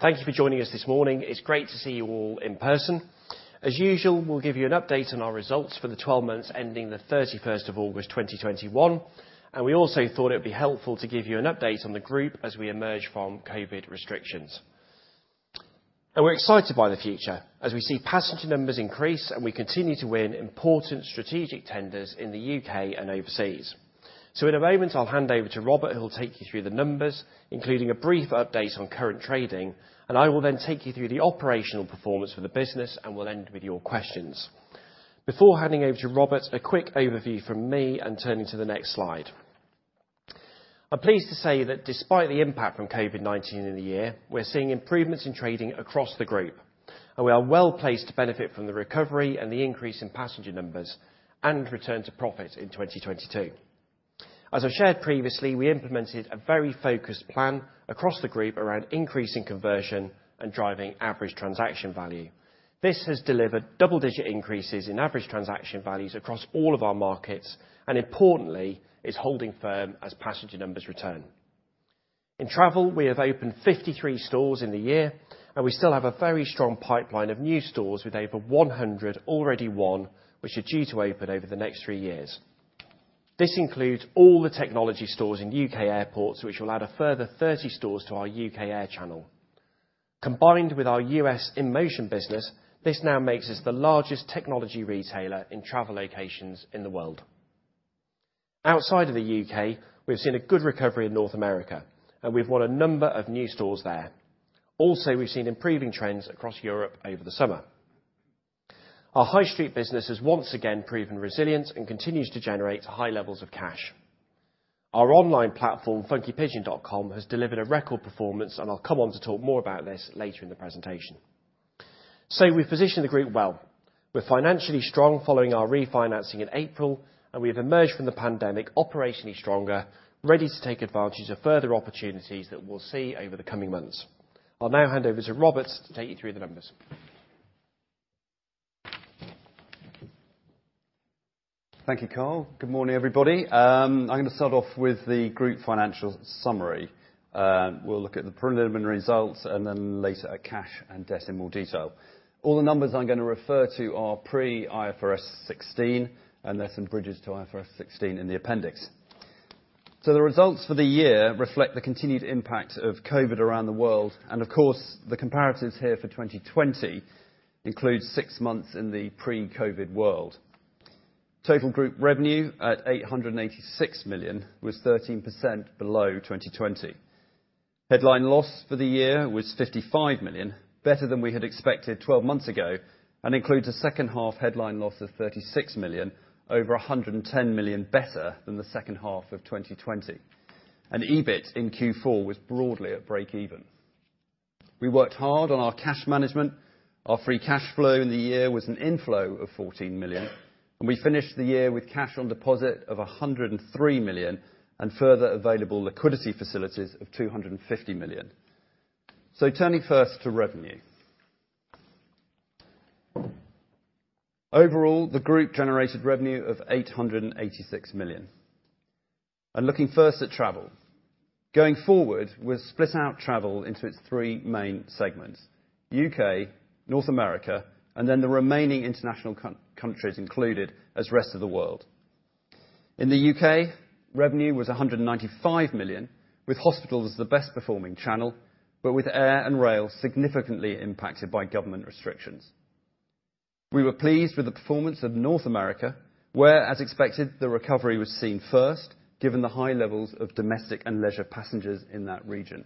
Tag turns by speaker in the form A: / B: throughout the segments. A: Thank you for joining us this morning. It's great to see you all in person. As usual, we'll give you an update on our results for the 12 months ending the 31st of August 2021. We also thought it'd be helpful to give you an update on the group as we emerge from COVID restrictions. We're excited by the future as we see passenger numbers increase, and we continue to win important strategic tenders in the U.K. and overseas. In a moment, I'll hand over to Robert, who will take you through the numbers, including a brief update on current trading, and I will then take you through the operational performance for the business, and we'll end with your questions. Before handing over to Robert, a quick overview from me and turning to the next slide. I'm pleased to say that despite the impact from COVID-19 in the year, we're seeing improvements in trading across the group, and we are well-placed to benefit from the recovery and the increase in passenger numbers and return to profit in 2022. I've shared previously, we implemented a very focused plan across the group around increasing conversion and driving average transaction value. This has delivered double-digit increases in average transaction values across all of our markets and importantly is holding firm as passenger numbers return. In travel, we have opened 53 stores in the year, and we still have a very strong pipeline of new stores, with over 100 already won, which are due to open over the next three years. This includes all the technology stores in U.K. airports, which will add a further 30 stores to our U.K. airport channel. Combined with our U.S. InMotion business, this now makes us the largest technology retailer in travel locations in the world. Outside of the U.K., we've seen a good recovery in North America, and we've won a number of new stores there. Also, we've seen improving trends across Europe over the summer. Our High Street business has once again proven resilience and continues to generate high levels of cash. Our online platform, funkypigeon.com, has delivered a record performance, and I'll come on to talk more about this later in the presentation. We've positioned the group well. We're financially strong following our refinancing in April, and we have emerged from the pandemic operationally stronger, ready to take advantage of further opportunities that we'll see over the coming months. I'll now hand over to Robert to take you through the numbers.
B: Thank you, Carl. Good morning, everybody. I'm gonna start off with the group financial summary. We'll look at the preliminary results and then later our cash and debt in more detail. All the numbers I'm gonna refer to are pre-IFRS 16, and there are some bridges to IFRS 16 in the appendix. The results for the year reflect the continued impact of COVID around the world, and of course, the comparatives here for 2020 include six months in the pre-COVID world. Total group revenue at 886 million was 13% below 2020. Headline loss for the year was 55 million, better than we had expected 12 months ago, and includes a second half headline loss of 36 million, over 110 million better than the second half of 2020. EBIT in Q4 was broadly at break even. We worked hard on our cash management. Our free cash flow in the year was an inflow of 14 million, and we finished the year with cash on deposit of 103 million and further available liquidity facilities of 250 million. Turning first to revenue. Overall, the group generated revenue of 886 million. Looking first at travel. Going forward, we've split out travel into its three main segments: U.K., North America, and then the remaining international countries included as Rest of the World. In the U.K., revenue was 195 million, with Hospitals the best performing channel, but with Air and Rail significantly impacted by government restrictions. We were pleased with the performance of North America, where, as expected, the recovery was seen first, given the high levels of domestic and leisure passengers in that region.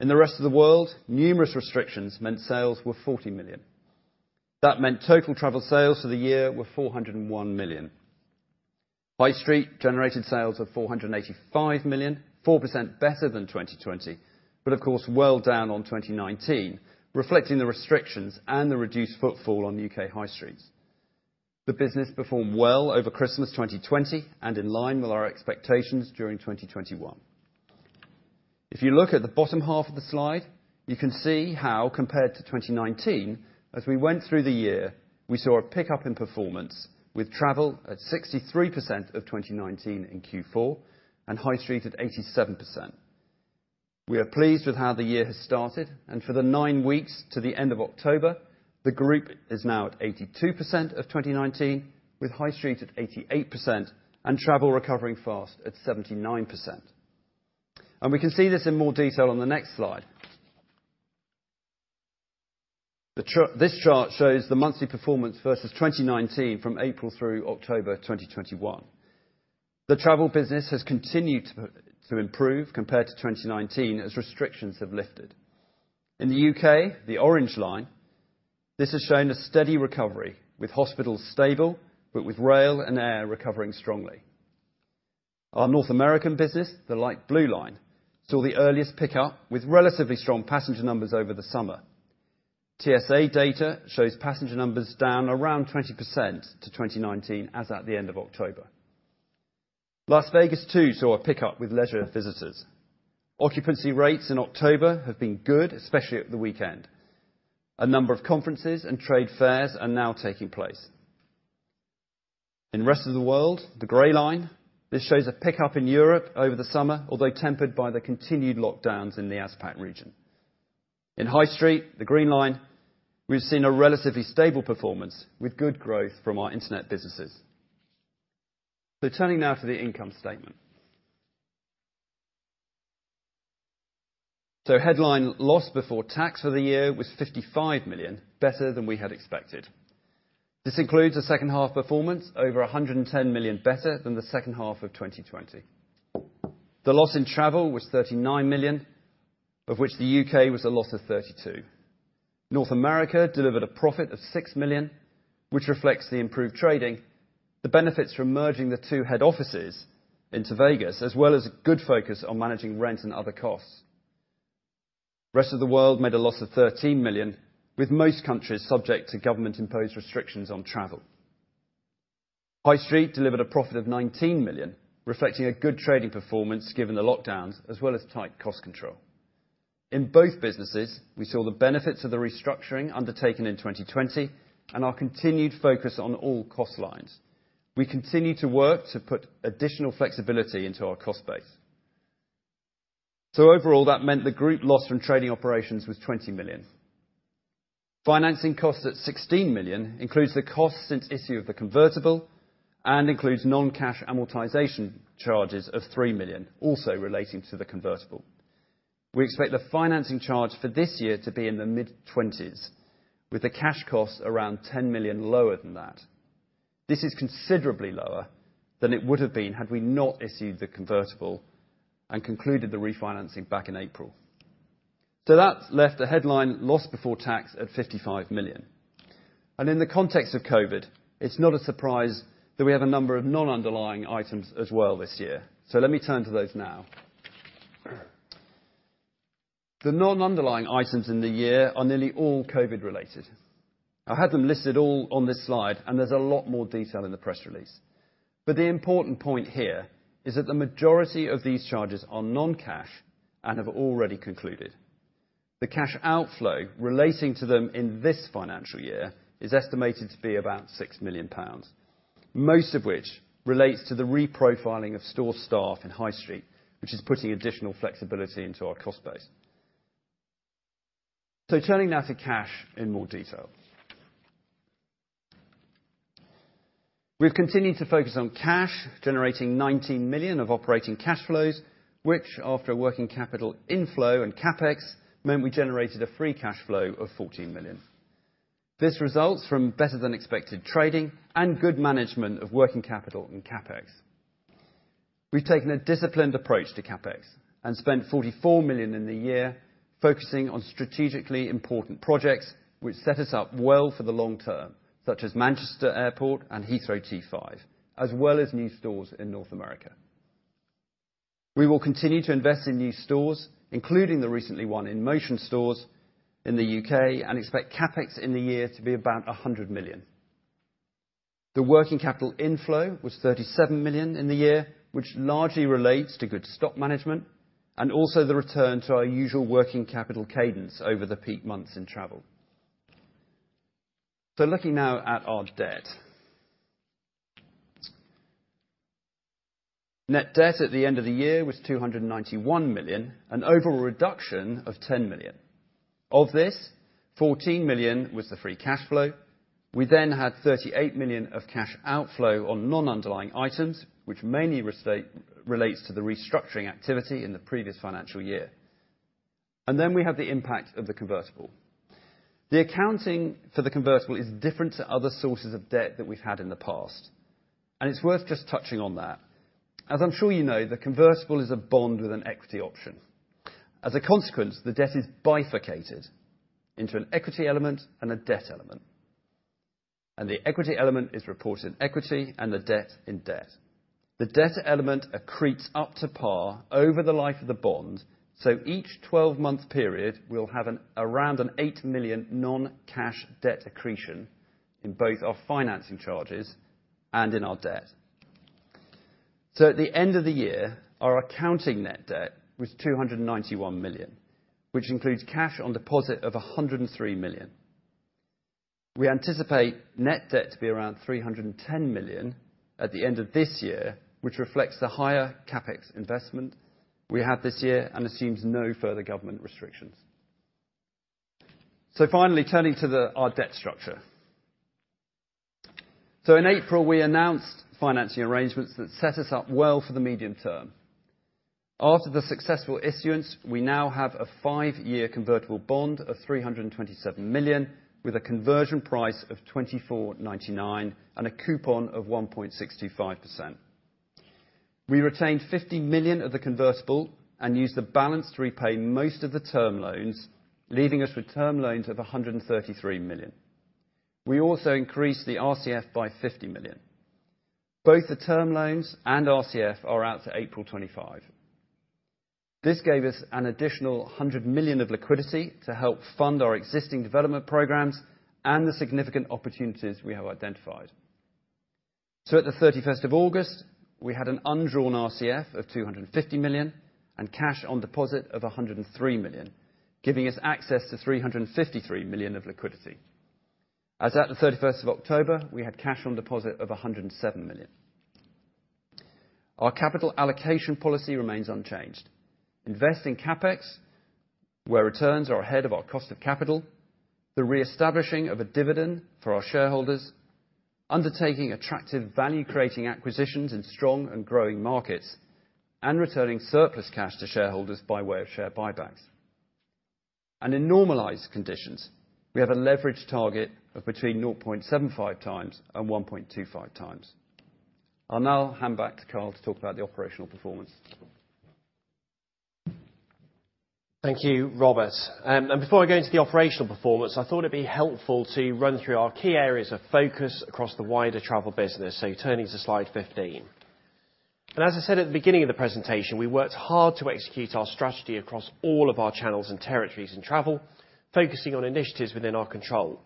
B: In the Rest of the World, numerous restrictions meant sales were 40 million. That meant total travel sales for the year were 401 million. High Street generated sales of 485 million, 4% better than 2020, but of course well down on 2019, reflecting the restrictions and the reduced footfall on U.K. high streets. The business performed well over Christmas 2020 and in line with our expectations during 2021. If you look at the bottom half of the slide, you can see how compared to 2019, as we went through the year, we saw a pickup in performance with travel at 63% of 2019 in Q4 and High Street at 87%. We are pleased with how the year has started, and for the nine weeks to the end of October, the group is now at 82% of 2019, with High Street at 88% and travel recovering fast at 79%. We can see this in more detail on the next slide. This chart shows the monthly performance versus 2019 from April through October 2021. The travel business has continued to improve compared to 2019 as restrictions have lifted. In the U.K., the orange line, this has shown a steady recovery, with Hospitals stable but with Rail and Air recovering strongly. Our North American business, the light blue line, saw the earliest pickup with relatively strong passenger numbers over the summer. TSA data shows passenger numbers down around 20% to 2019 as at the end of October. Las Vegas, too, saw a pickup with leisure visitors. Occupancy rates in October have been good, especially at the weekend. A number of conferences and trade fairs are now taking place. In Rest of the World, the gray line, this shows a pickup in Europe over the summer, although tempered by the continued lockdowns in the Asia-Pac region. In High Street, the green line, we've seen a relatively stable performance with good growth from our internet businesses. Turning now to the income statement. Headline loss before tax for the year was 55 million, better than we had expected. This includes a second-half performance over 110 million better than the second half of 2020. The loss in travel was 39 million, of which the U.K. was a loss of 32 million. North America delivered a profit of 6 million, which reflects the improved trading, the benefits from merging the two head offices into Vegas, as well as a good focus on managing rent and other costs. Rest of the World made a loss of 13 million, with most countries subject to government-imposed restrictions on travel. High Street delivered a profit of 19 million, reflecting a good trading performance given the lockdowns, as well as tight cost control. In both businesses, we saw the benefits of the restructuring undertaken in 2020 and our continued focus on all cost lines. We continue to work to put additional flexibility into our cost base. Overall, that meant the group loss from trading operations was 20 million. Financing costs at 16 million includes the cost since issue of the convertible and includes non-cash amortization charges of 3 million also relating to the convertible. We expect the financing charge for this year to be in the mid-20s, with the cash costs around 10 million lower than that. This is considerably lower than it would have been had we not issued the convertible and concluded the refinancing back in April. That left a headline loss before tax at 55 million. In the context of COVID, it's not a surprise that we have a number of non-underlying items as well this year. Let me turn to those now. The non-underlying items in the year are nearly all COVID-related. I have them listed all on this slide, and there's a lot more detail in the press release. The important point here is that the majority of these charges are non-cash and have already concluded. The cash outflow relating to them in this financial year is estimated to be about 6 million pounds, most of which relates to the reprofiling of store staff in High Street, which is putting additional flexibility into our cost base. Turning now to cash in more detail. We've continued to focus on cash, generating 19 million of operating cash flows, which, after working capital inflow and CapEx, meant we generated a free cash flow of 14 million. This results from better than expected trading and good management of working capital and CapEx. We've taken a disciplined approach to CapEx and spent 44 million in the year, focusing on strategically important projects which set us up well for the long term, such as Manchester Airport and Heathrow T5, as well as new stores in North America. We will continue to invest in new stores, including the recently won InMotion stores in the U.K. and expect CapEx in the year to be about 100 million. The working capital inflow was 37 million in the year, which largely relates to good stock management and also the return to our usual working capital cadence over the peak months in travel. Looking now at our debt. Net debt at the end of the year was 291 million, an overall reduction of 10 million. Of this, 14 million was the free cash flow. We then had 38 million of cash outflow on non-underlying items, which mainly relates to the restructuring activity in the previous financial year. Then we have the impact of the convertible. The accounting for the convertible is different to other sources of debt that we've had in the past, and it's worth just touching on that. As I'm sure you know, the convertible is a bond with an equity option. As a consequence, the debt is bifurcated into an equity element and a debt element, and the equity element is reported in equity and the debt in debt. The debt element accretes up to par over the life of the bond, so each 12-month period will have around an 8 million non-cash debt accretion in both our financing charges and in our debt. At the end of the year, our accounting net debt was 291 million, which includes cash on deposit of 103 million. We anticipate net debt to be around 310 million at the end of this year, which reflects the higher CapEx investment we have this year and assumes no further government restrictions. Finally turning to our debt structure. In April, we announced financing arrangements that set us up well for the medium term. After the successful issuance, we now have a five-year convertible bond of 327 million with a conversion price of 24.99 and a coupon of 1.625%. We retained 50 million of the convertible and used the balance to repay most of the term loans, leaving us with term loans of 133 million. We also increased the RCF by 50 million. Both the term loans and RCF are out to April 2025. This gave us an additional 100 million of liquidity to help fund our existing development programs and the significant opportunities we have identified. At the 31st of August, we had an undrawn RCF of 250 million and cash on deposit of 103 million. Giving us access to 353 million of liquidity. As at the 31st of October, we had cash on deposit of 107 million. Our capital allocation policy remains unchanged. Invest in CapEx, where returns are ahead of our cost of capital, the reestablishing of a dividend for our shareholders, undertaking attractive value-creating acquisitions in strong and growing markets, and returning surplus cash to shareholders by way of share buybacks. In normalized conditions, we have a leverage target of between 0.75x and 1.25x. I'll now hand back to Carl to talk about the operational performance.
A: Thank you, Robert. Before I go into the operational performance, I thought it'd be helpful to run through our key areas of focus across the wider travel business. Turning to slide 15. As I said at the beginning of the presentation, we worked hard to execute our strategy across all of our channels and territories in travel, focusing on initiatives within our control.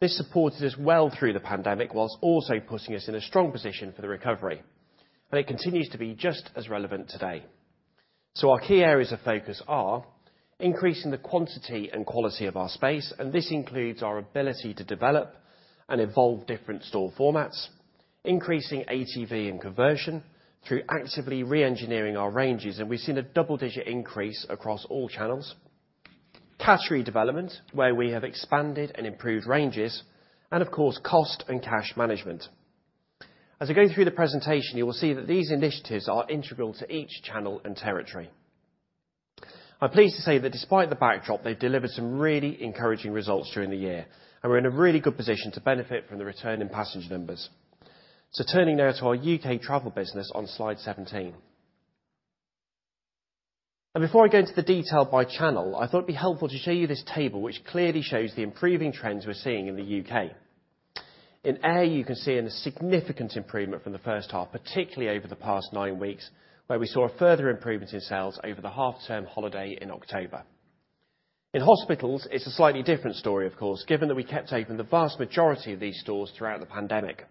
A: This supported us well through the pandemic while also putting us in a strong position for the recovery, and it continues to be just as relevant today. Our key areas of focus are increasing the quantity and quality of our space, and this includes our ability to develop and evolve different store formats, increasing ATV and conversion through actively reengineering our ranges, and we've seen a double-digit increase across all channels. Category development, where we have expanded and improved ranges, and of course, cost and cash management. As I go through the presentation, you will see that these initiatives are integral to each channel and territory. I'm pleased to say that despite the backdrop, they've delivered some really encouraging results during the year, and we're in a really good position to benefit from the return in passenger numbers. Turning now to our U.K. travel business on slide 17. Before I go into the detail by channel, I thought it'd be helpful to show you this table, which clearly shows the improving trends we're seeing in the U.K. In air, you can see a significant improvement from the first half, particularly over the past 9 weeks, where we saw a further improvement in sales over the half-term holiday in October. In Hospitals, it's a slightly different story, of course, given that we kept open the vast majority of these stores throughout the pandemic.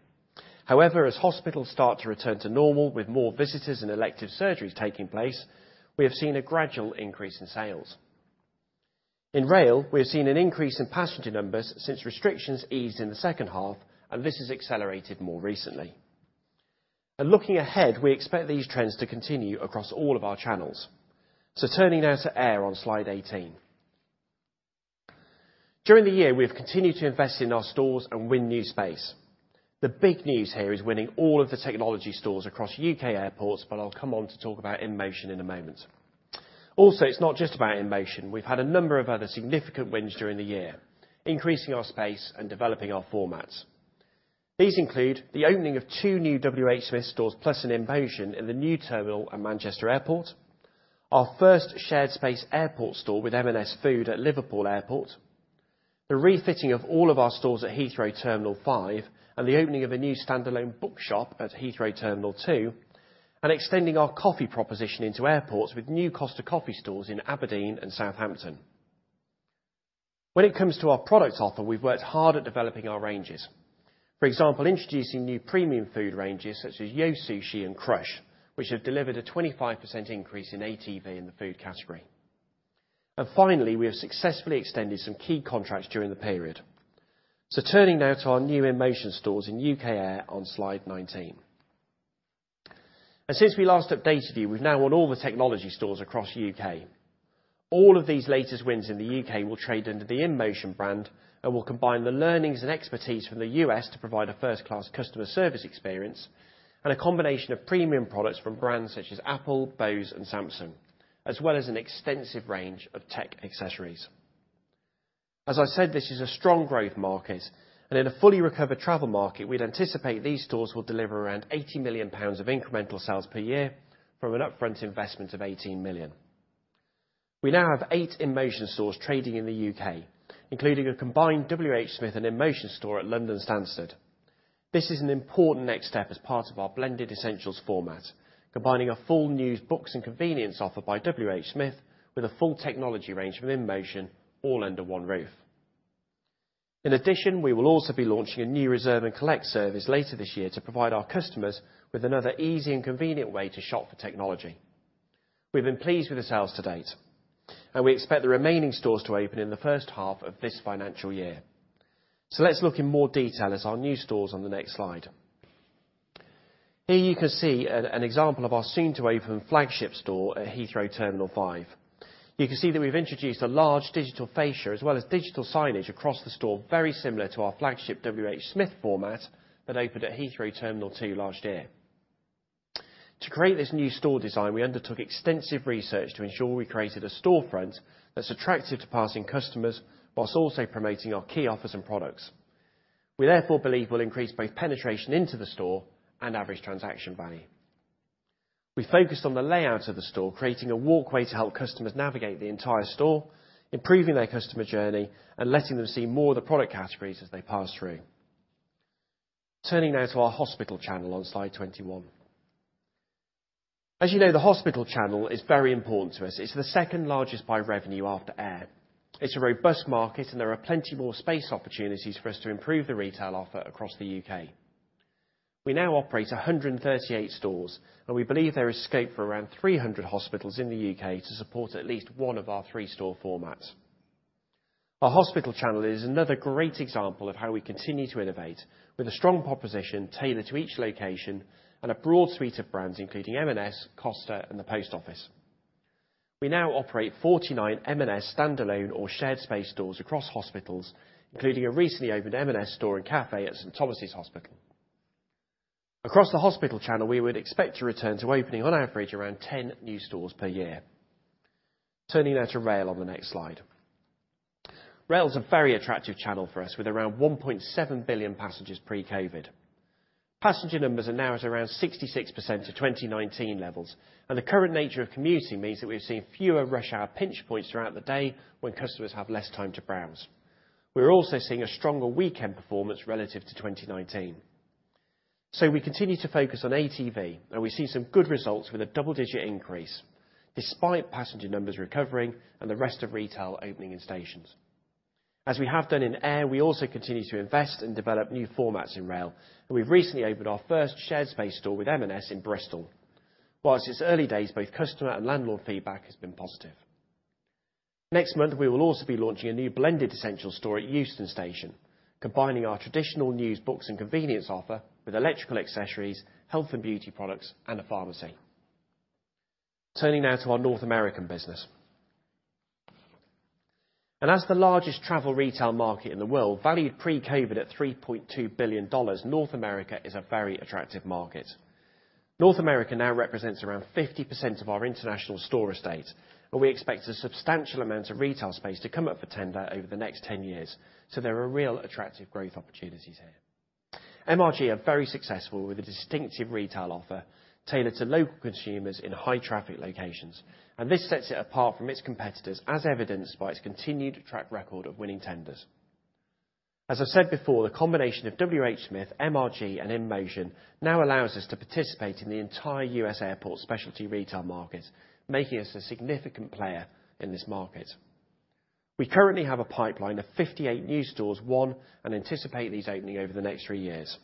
A: However, as Hospitals start to return to normal with more visitors and elective surgeries taking place, we have seen a gradual increase in sales. In Rail, we have seen an increase in passenger numbers since restrictions eased in the second half, and this has accelerated more recently. Looking ahead, we expect these trends to continue across all of our channels. Turning now to Air on slide 18. During the year, we have continued to invest in our stores and win new space. The big news here is winning all of the technology stores across U.K. airports, but I'll come on to talk about InMotion in a moment. Also, it's not just about InMotion. We've had a number of other significant wins during the year, increasing our space and developing our formats. These include the opening of two new WH Smith stores plus an InMotion in the new terminal at Manchester Airport, our first shared space airport store with M&S Food at Liverpool Airport, the refitting of all of our stores at Heathrow Terminal 5, and the opening of a new standalone bookshop at Heathrow Terminal 2, and extending our coffee proposition into airports with new Costa Coffee stores in Aberdeen and Southampton. When it comes to our products offer, we've worked hard at developing our ranges. For example, introducing new premium food ranges such as YO! Sushi and Crussh, which have delivered a 25% increase in ATV in the food category. Finally, we have successfully extended some key contracts during the period. Turning now to our new InMotion stores in U.K. airports on slide 19. Since we last updated you, we've now won all the technology stores across U.K. All of these latest wins in the U.K. will trade under the InMotion brand and will combine the learnings and expertise from the U.S. to provide a first-class customer service experience and a combination of premium products from brands such as Apple, Bose, and Samsung, as well as an extensive range of tech accessories. As I said, this is a strong growth market, and in a fully recovered travel market, we'd anticipate these stores will deliver around 80 million pounds of incremental sales per year from an upfront investment of 18 million. We now have eight InMotion stores trading in the U.K., including a combined WH Smith and InMotion store at London Stansted. This is an important next step as part of our blended essentials format, combining a full news, books, and convenience offer by WH Smith with a full technology range from InMotion all under one roof. In addition, we will also be launching a new reserve and collect service later this year to provide our customers with another easy and convenient way to shop for technology. We've been pleased with the sales to date, and we expect the remaining stores to open in the first half of this financial year. Let's look in more detail at our new stores on the next slide. Here you can see an example of our soon-to-open flagship store at Heathrow Terminal 5. You can see that we've introduced a large digital fascia as well as digital signage across the store, very similar to our flagship WH Smith format that opened at Heathrow Terminal 2 last year. To create this new store design, we undertook extensive research to ensure we created a storefront that's attractive to passing customers while also promoting our key offers and products. We therefore believe we'll increase both penetration into the store and average transaction value. We focused on the layout of the store, creating a walkway to help customers navigate the entire store, improving their customer journey, and letting them see more of the product categories as they pass through. Turning now to our Hospital channel on slide 21. As you know, the Hospital channel is very important to us. It's the second largest by revenue after air. It's a robust market, and there are plenty more space opportunities for us to improve the retail offer across the U.K. We now operate 138 stores, and we believe there is scope for around 300 hospitals in the U.K. to support at least one of our three store formats. Our Hospital channel is another great example of how we continue to innovate, with a strong proposition tailored to each location and a broad suite of brands, including M&S, Costa, and the Post Office. We now operate 49 M&S standalone or shared space stores across hospitals, including a recently opened M&S store and cafe at St Thomas' Hospital. Across the Hospital channel, we would expect to return to opening, on average, around 10 new stores per year. Turning now to Rail on the next slide. Rail's a very attractive channel for us with around 1.7 billion passengers pre-COVID. Passenger numbers are now at around 66% of 2019 levels, and the current nature of commuting means that we've seen fewer rush hour pinch points throughout the day when customers have less time to browse. We're also seeing a stronger weekend performance relative to 2019. We continue to focus on ATV, and we see some good results with a double-digit increase, despite passenger numbers recovering and the rest of retail opening in stations. As we have done in Air, we also continue to invest and develop new formats in Rail, and we've recently opened our first shared space store with M&S in Bristol. While it's early days, both customer and landlord feedback has been positive. Next month, we will also be launching a new blended essentials store at Euston Station, combining our traditional news, books, and convenience offer with electrical accessories, health and beauty products, and a pharmacy. Turning now to our North American business. As the largest travel retail market in the world, valued pre-COVID at $3.2 billion, North America is a very attractive market. North America now represents around 50% of our international store estate, and we expect a substantial amount of retail space to come up for tender over the next 10 years, so there are real attractive growth opportunities here. MRG are very successful with a distinctive retail offer tailored to local consumers in high traffic locations, and this sets it apart from its competitors, as evidenced by its continued track record of winning tenders. As I said before, the combination of WH Smith, MRG, and InMotion now allows us to participate in the entire U.S. airport specialty retail market, making us a significant player in this market. We currently have a pipeline of 58 new stores won and anticipate these opening over the next three years.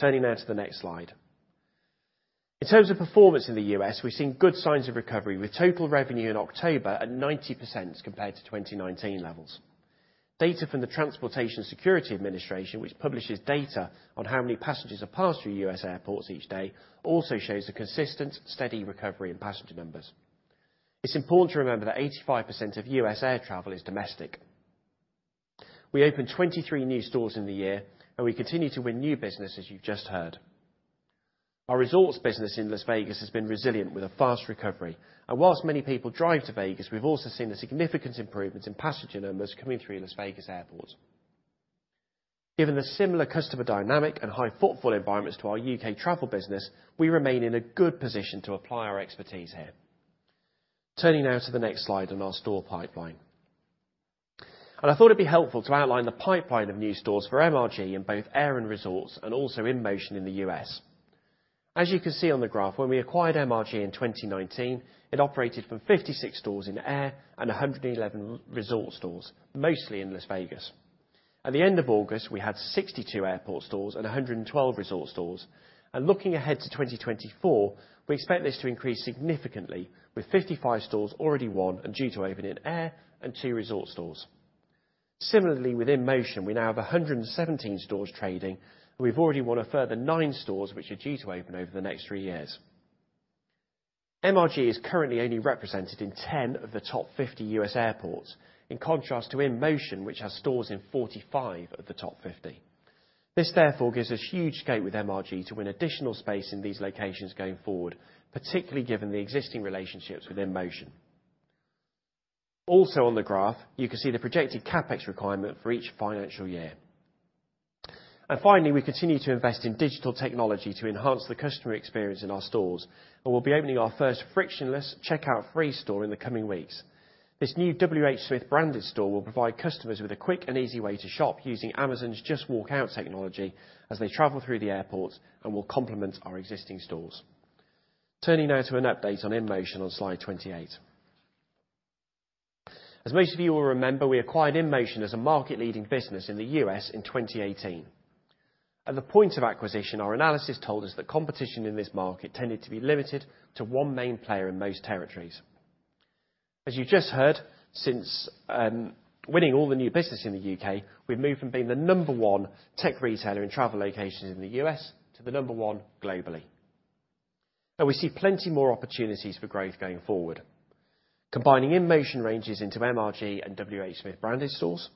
A: Turning now to the next slide. In terms of performance in the U.S., we've seen good signs of recovery, with total revenue in October at 90% compared to 2019 levels. Data from the Transportation Security Administration, which publishes data on how many passengers have passed through U.S. airports each day, also shows a consistent, steady recovery in passenger numbers. It's important to remember that 85% of U.S. air travel is domestic. We opened 23 new stores in the year, and we continue to win new business, as you've just heard. Our Resorts business in Las Vegas has been resilient with a fast recovery, and while many people drive to Vegas, we've also seen a significant improvement in passenger numbers coming through Las Vegas Airport. Given the similar customer dynamic and high footfall environments to our U.K. travel business, we remain in a good position to apply our expertise here. Turning now to the next slide on our store pipeline. I thought it'd be helpful to outline the pipeline of new stores for MRG in both Air and Resorts, and also InMotion in the U.S. As you can see on the graph, when we acquired MRG in 2019, it operated from 56 stores in Air and 111 resort stores, mostly in Las Vegas. At the end of August, we had 62 airport stores and 112 resort stores, and looking ahead to 2024, we expect this to increase significantly with 55 stores already won and due to open in airport and two resort stores. Similarly, with InMotion, we now have 117 stores trading, and we've already won a further nine stores which are due to open over the next three years. MRG is currently only represented in 10 of the top 50 U.S. airports, in contrast to InMotion, which has stores in 45 of the top 50. This therefore gives us huge scope with MRG to win additional space in these locations going forward, particularly given the existing relationships with InMotion. Also on the graph, you can see the projected CapEx requirement for each financial year. Finally, we continue to invest in digital technology to enhance the customer experience in our stores, and we'll be opening our first frictionless checkout free store in the coming weeks. This new WH Smith branded store will provide customers with a quick and easy way to shop using Amazon's Just Walk Out technology as they travel through the airport and will complement our existing stores. Turning now to an update on InMotion on slide 28. As most of you will remember, we acquired InMotion as a market-leading business in the U.S. in 2018. At the point of acquisition, our analysis told us that competition in this market tended to be limited to one main player in most territories. As you just heard, since winning all the new business in the U.K., we've moved from being the number one tech retailer in travel locations in the U.S. to the number one globally. Now we see plenty more opportunities for growth going forward. Combining InMotion ranges into MRG and WH Smith branded stores,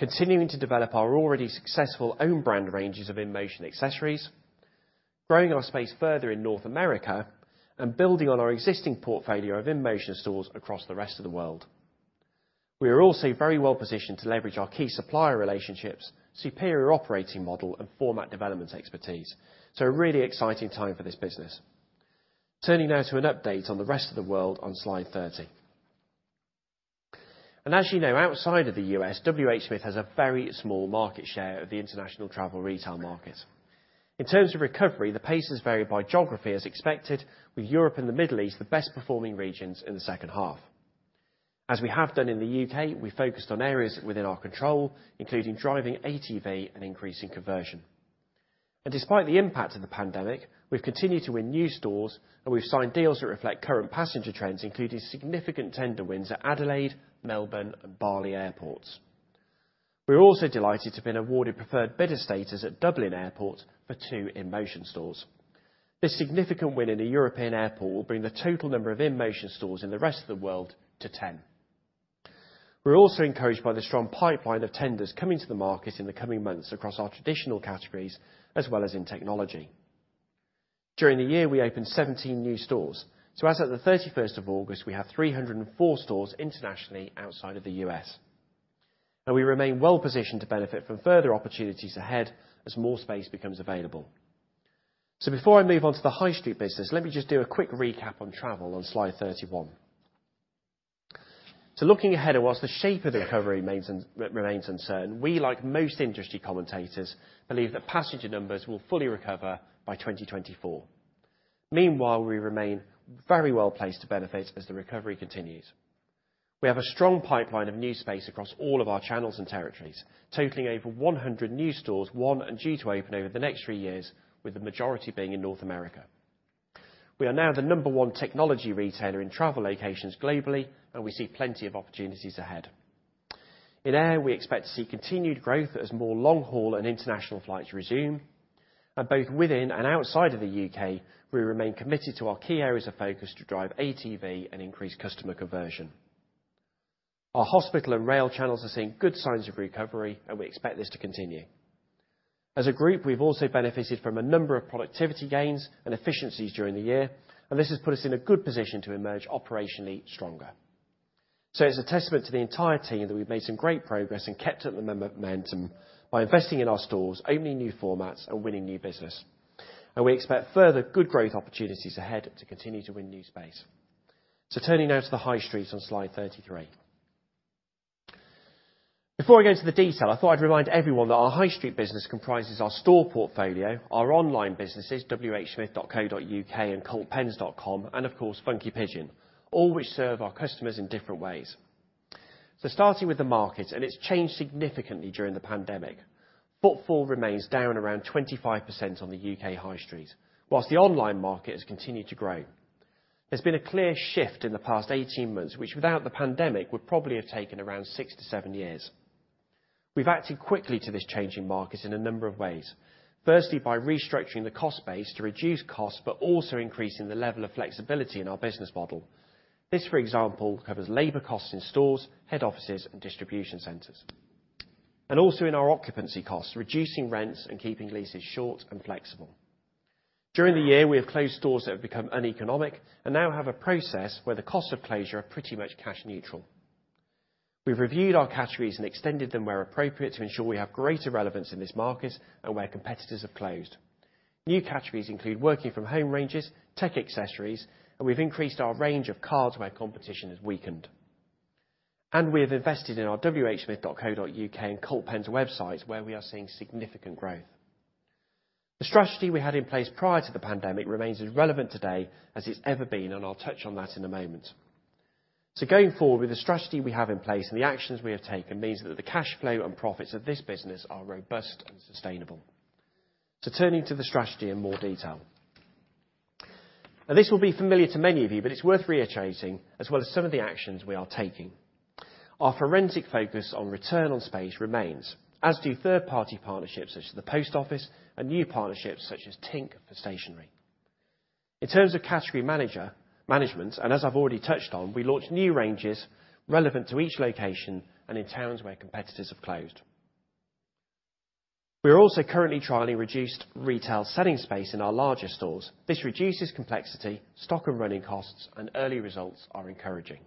A: continuing to develop our already successful own brand ranges of InMotion accessories, growing our space further in North America, and building on our existing portfolio of InMotion stores across the Rest of the World. We are also very well positioned to leverage our key supplier relationships, superior operating model, and format development expertise, so a really exciting time for this business. Turning now to an update on the Rest of the World on slide 30. As you know, outside of the U.S., WH Smith has a very small market share of the international travel retail market. In terms of recovery, the pace has varied by geography as expected, with Europe and the Middle East the best performing regions in the second half. As we have done in the U.K., we focused on areas within our control, including driving ATV and increasing conversion. Despite the impact of the pandemic, we've continued to win new stores, and we've signed deals that reflect current passenger trends, including significant tender wins at Adelaide, Melbourne, and Bali Airports. We're also delighted to have been awarded preferred bidder status at Dublin Airport for two InMotion stores. This significant win in a European airport will bring the total number of InMotion stores in the Rest of the World to 10. We're also encouraged by the strong pipeline of tenders coming to the market in the coming months across our traditional categories, as well as in technology. During the year, we opened 17 new stores. As of the 31st of August, we have 304 stores internationally outside of the U.S. Now we remain well-positioned to benefit from further opportunities ahead as more space becomes available. Before I move on to the High Street business, let me just do a quick recap on Travel on slide 31. Looking ahead, and whilst the shape of the recovery remains uncertain, we, like most industry commentators, believe that passenger numbers will fully recover by 2024. Meanwhile, we remain very well-placed to benefit as the recovery continues. We have a strong pipeline of new space across all of our channels and territories, totaling over 100 new stores, won and due to open over the next three years, with the majority being in North America. We are now the number one technology retailer in travel locations globally, and we see plenty of opportunities ahead. In Air, we expect to see continued growth as more long-haul and international flights resume. Both within and outside of the U.K., we remain committed to our key areas of focus to drive ATV and increase customer conversion. Our Hospital and Rail channels are seeing good signs of recovery, and we expect this to continue. As a group, we've also benefited from a number of productivity gains and efficiencies during the year, and this has put us in a good position to emerge operationally stronger. It's a testament to the entire team that we've made some great progress and kept up the momentum by investing in our stores, opening new formats, and winning new business. We expect further good growth opportunities ahead to continue to win new space. Turning now to the high street on slide 33. Before I go into the detail, I thought I'd remind everyone that our high street business comprises our store portfolio, our online businesses, whsmith.co.uk and cultpens.com, and of course, Funky Pigeon, all which serve our customers in different ways. Starting with the market, and it's changed significantly during the pandemic, footfall remains down around 25% on the U.K. high street, while the online market has continued to grow. There's been a clear shift in the past 18 months, which without the pandemic would probably have taken around 6-7 years. We've acted quickly to this changing market in a number of ways. Firstly, by restructuring the cost base to reduce costs, but also increasing the level of flexibility in our business model. This, for example, covers labor costs in stores, head offices, and distribution centers. Also in our occupancy costs, reducing rents and keeping leases short and flexible. During the year, we have closed stores that have become uneconomic and now have a process where the cost of closure are pretty much cash neutral. We've reviewed our categories and extended them where appropriate to ensure we have greater relevance in this market and where competitors have closed. New categories include working from home ranges, tech accessories, and we've increased our range of cards where competition has weakened. We have invested in our whsmith.co.uk and Cult Pens websites, where we are seeing significant growth. The strategy we had in place prior to the pandemic remains as relevant today as it's ever been, and I'll touch on that in a moment. Going forward, with the strategy we have in place and the actions we have taken means that the cash flow and profits of this business are robust and sustainable. Turning to the strategy in more detail. Now this will be familiar to many of you, but it's worth reiterating as well as some of the actions we are taking. Our forensic focus on return on space remains, as do third-party partnerships such as the Post Office and new partnerships such as Tinc for stationery. In terms of category management, and as I've already touched on, we launched new ranges relevant to each location and in towns where competitors have closed. We are also currently trialing reduced retail selling space in our larger stores. This reduces complexity, stock and running costs, and early results are encouraging.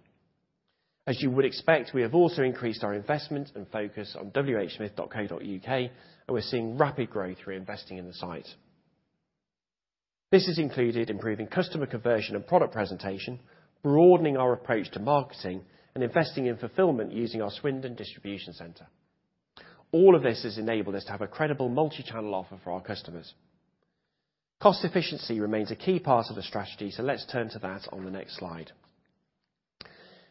A: As you would expect, we have also increased our investment and focus on whsmith.co.uk, and we're seeing rapid growth through investing in the site. This has included improving customer conversion and product presentation, broadening our approach to marketing, and investing in fulfillment using our Swindon distribution center. All of this has enabled us to have a credible multi-channel offer for our customers. Cost efficiency remains a key part of the strategy, so let's turn to that on the next slide.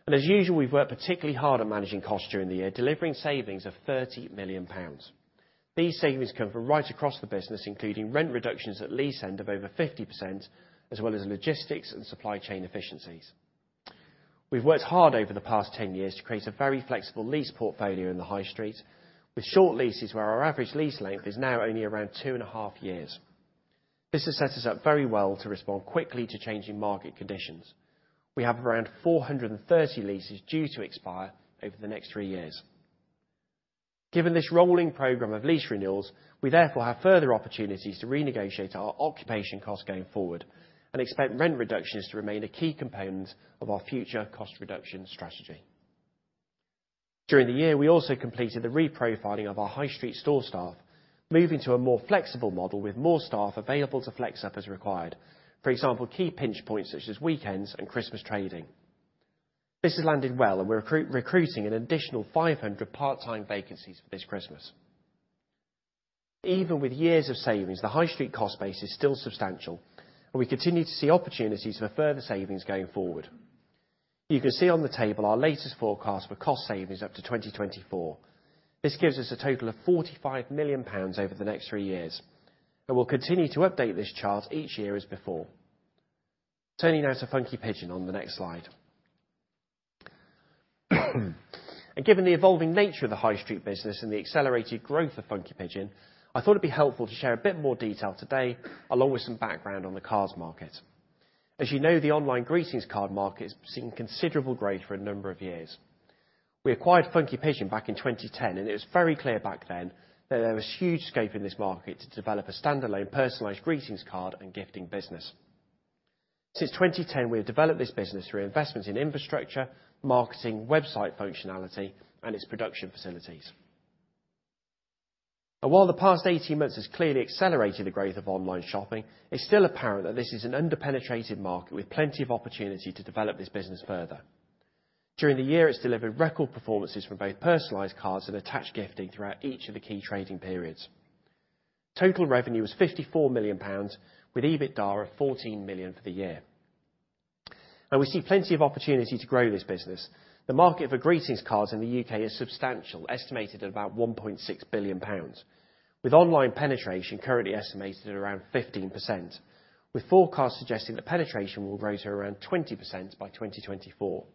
A: As usual, we've worked particularly hard at managing costs during the year, delivering savings of 30 million pounds. These savings come from right across the business, including rent reductions at lease end of over 50%, as well as logistics and supply chain efficiencies. We've worked hard over the past 10 years to create a very flexible lease portfolio in the High Street with short leases where our average lease length is now only around 2.5 years. This has set us up very well to respond quickly to changing market conditions. We have around 430 leases due to expire over the next three years. Given this rolling program of lease renewals, we therefore have further opportunities to renegotiate our occupation cost going forward and expect rent reductions to remain a key component of our future cost reduction strategy. During the year, we also completed the reprofiling of our High Street store staff, moving to a more flexible model with more staff available to flex up as required, for example, key pinch points such as weekends and Christmas trading. This has landed well, and we're recruiting an additional 500 part-time vacancies for this Christmas. Even with years of savings, the High Street cost base is still substantial, and we continue to see opportunities for further savings going forward. You can see on the table our latest forecast for cost savings up to 2024. This gives us a total of 45 million pounds over the next three years. We'll continue to update this chart each year as before. Turning now to Funky Pigeon on the next slide. Given the evolving nature of the High Street business and the accelerated growth of Funky Pigeon, I thought it'd be helpful to share a bit more detail today, along with some background on the cards market. As you know, the online greetings card market has seen considerable growth for a number of years. We acquired Funky Pigeon back in 2010, and it was very clear back then that there was huge scope in this market to develop a standalone personalized greetings card and gifting business. Since 2010, we have developed this business through investments in infrastructure, marketing, website functionality, and its production facilities. While the past 18 months has clearly accelerated the growth of online shopping, it's still apparent that this is an under-penetrated market with plenty of opportunity to develop this business further. During the year, it's delivered record performances from both personalized cards and attached gifting throughout each of the key trading periods. Total revenue was 54 million pounds with EBITDA at 14 million for the year. We see plenty of opportunity to grow this business. The market for greetings cards in the U.K. is substantial, estimated at about 1.6 billion pounds, with online penetration currently estimated at around 15%, with forecasts suggesting that penetration will grow to around 20% by 2024.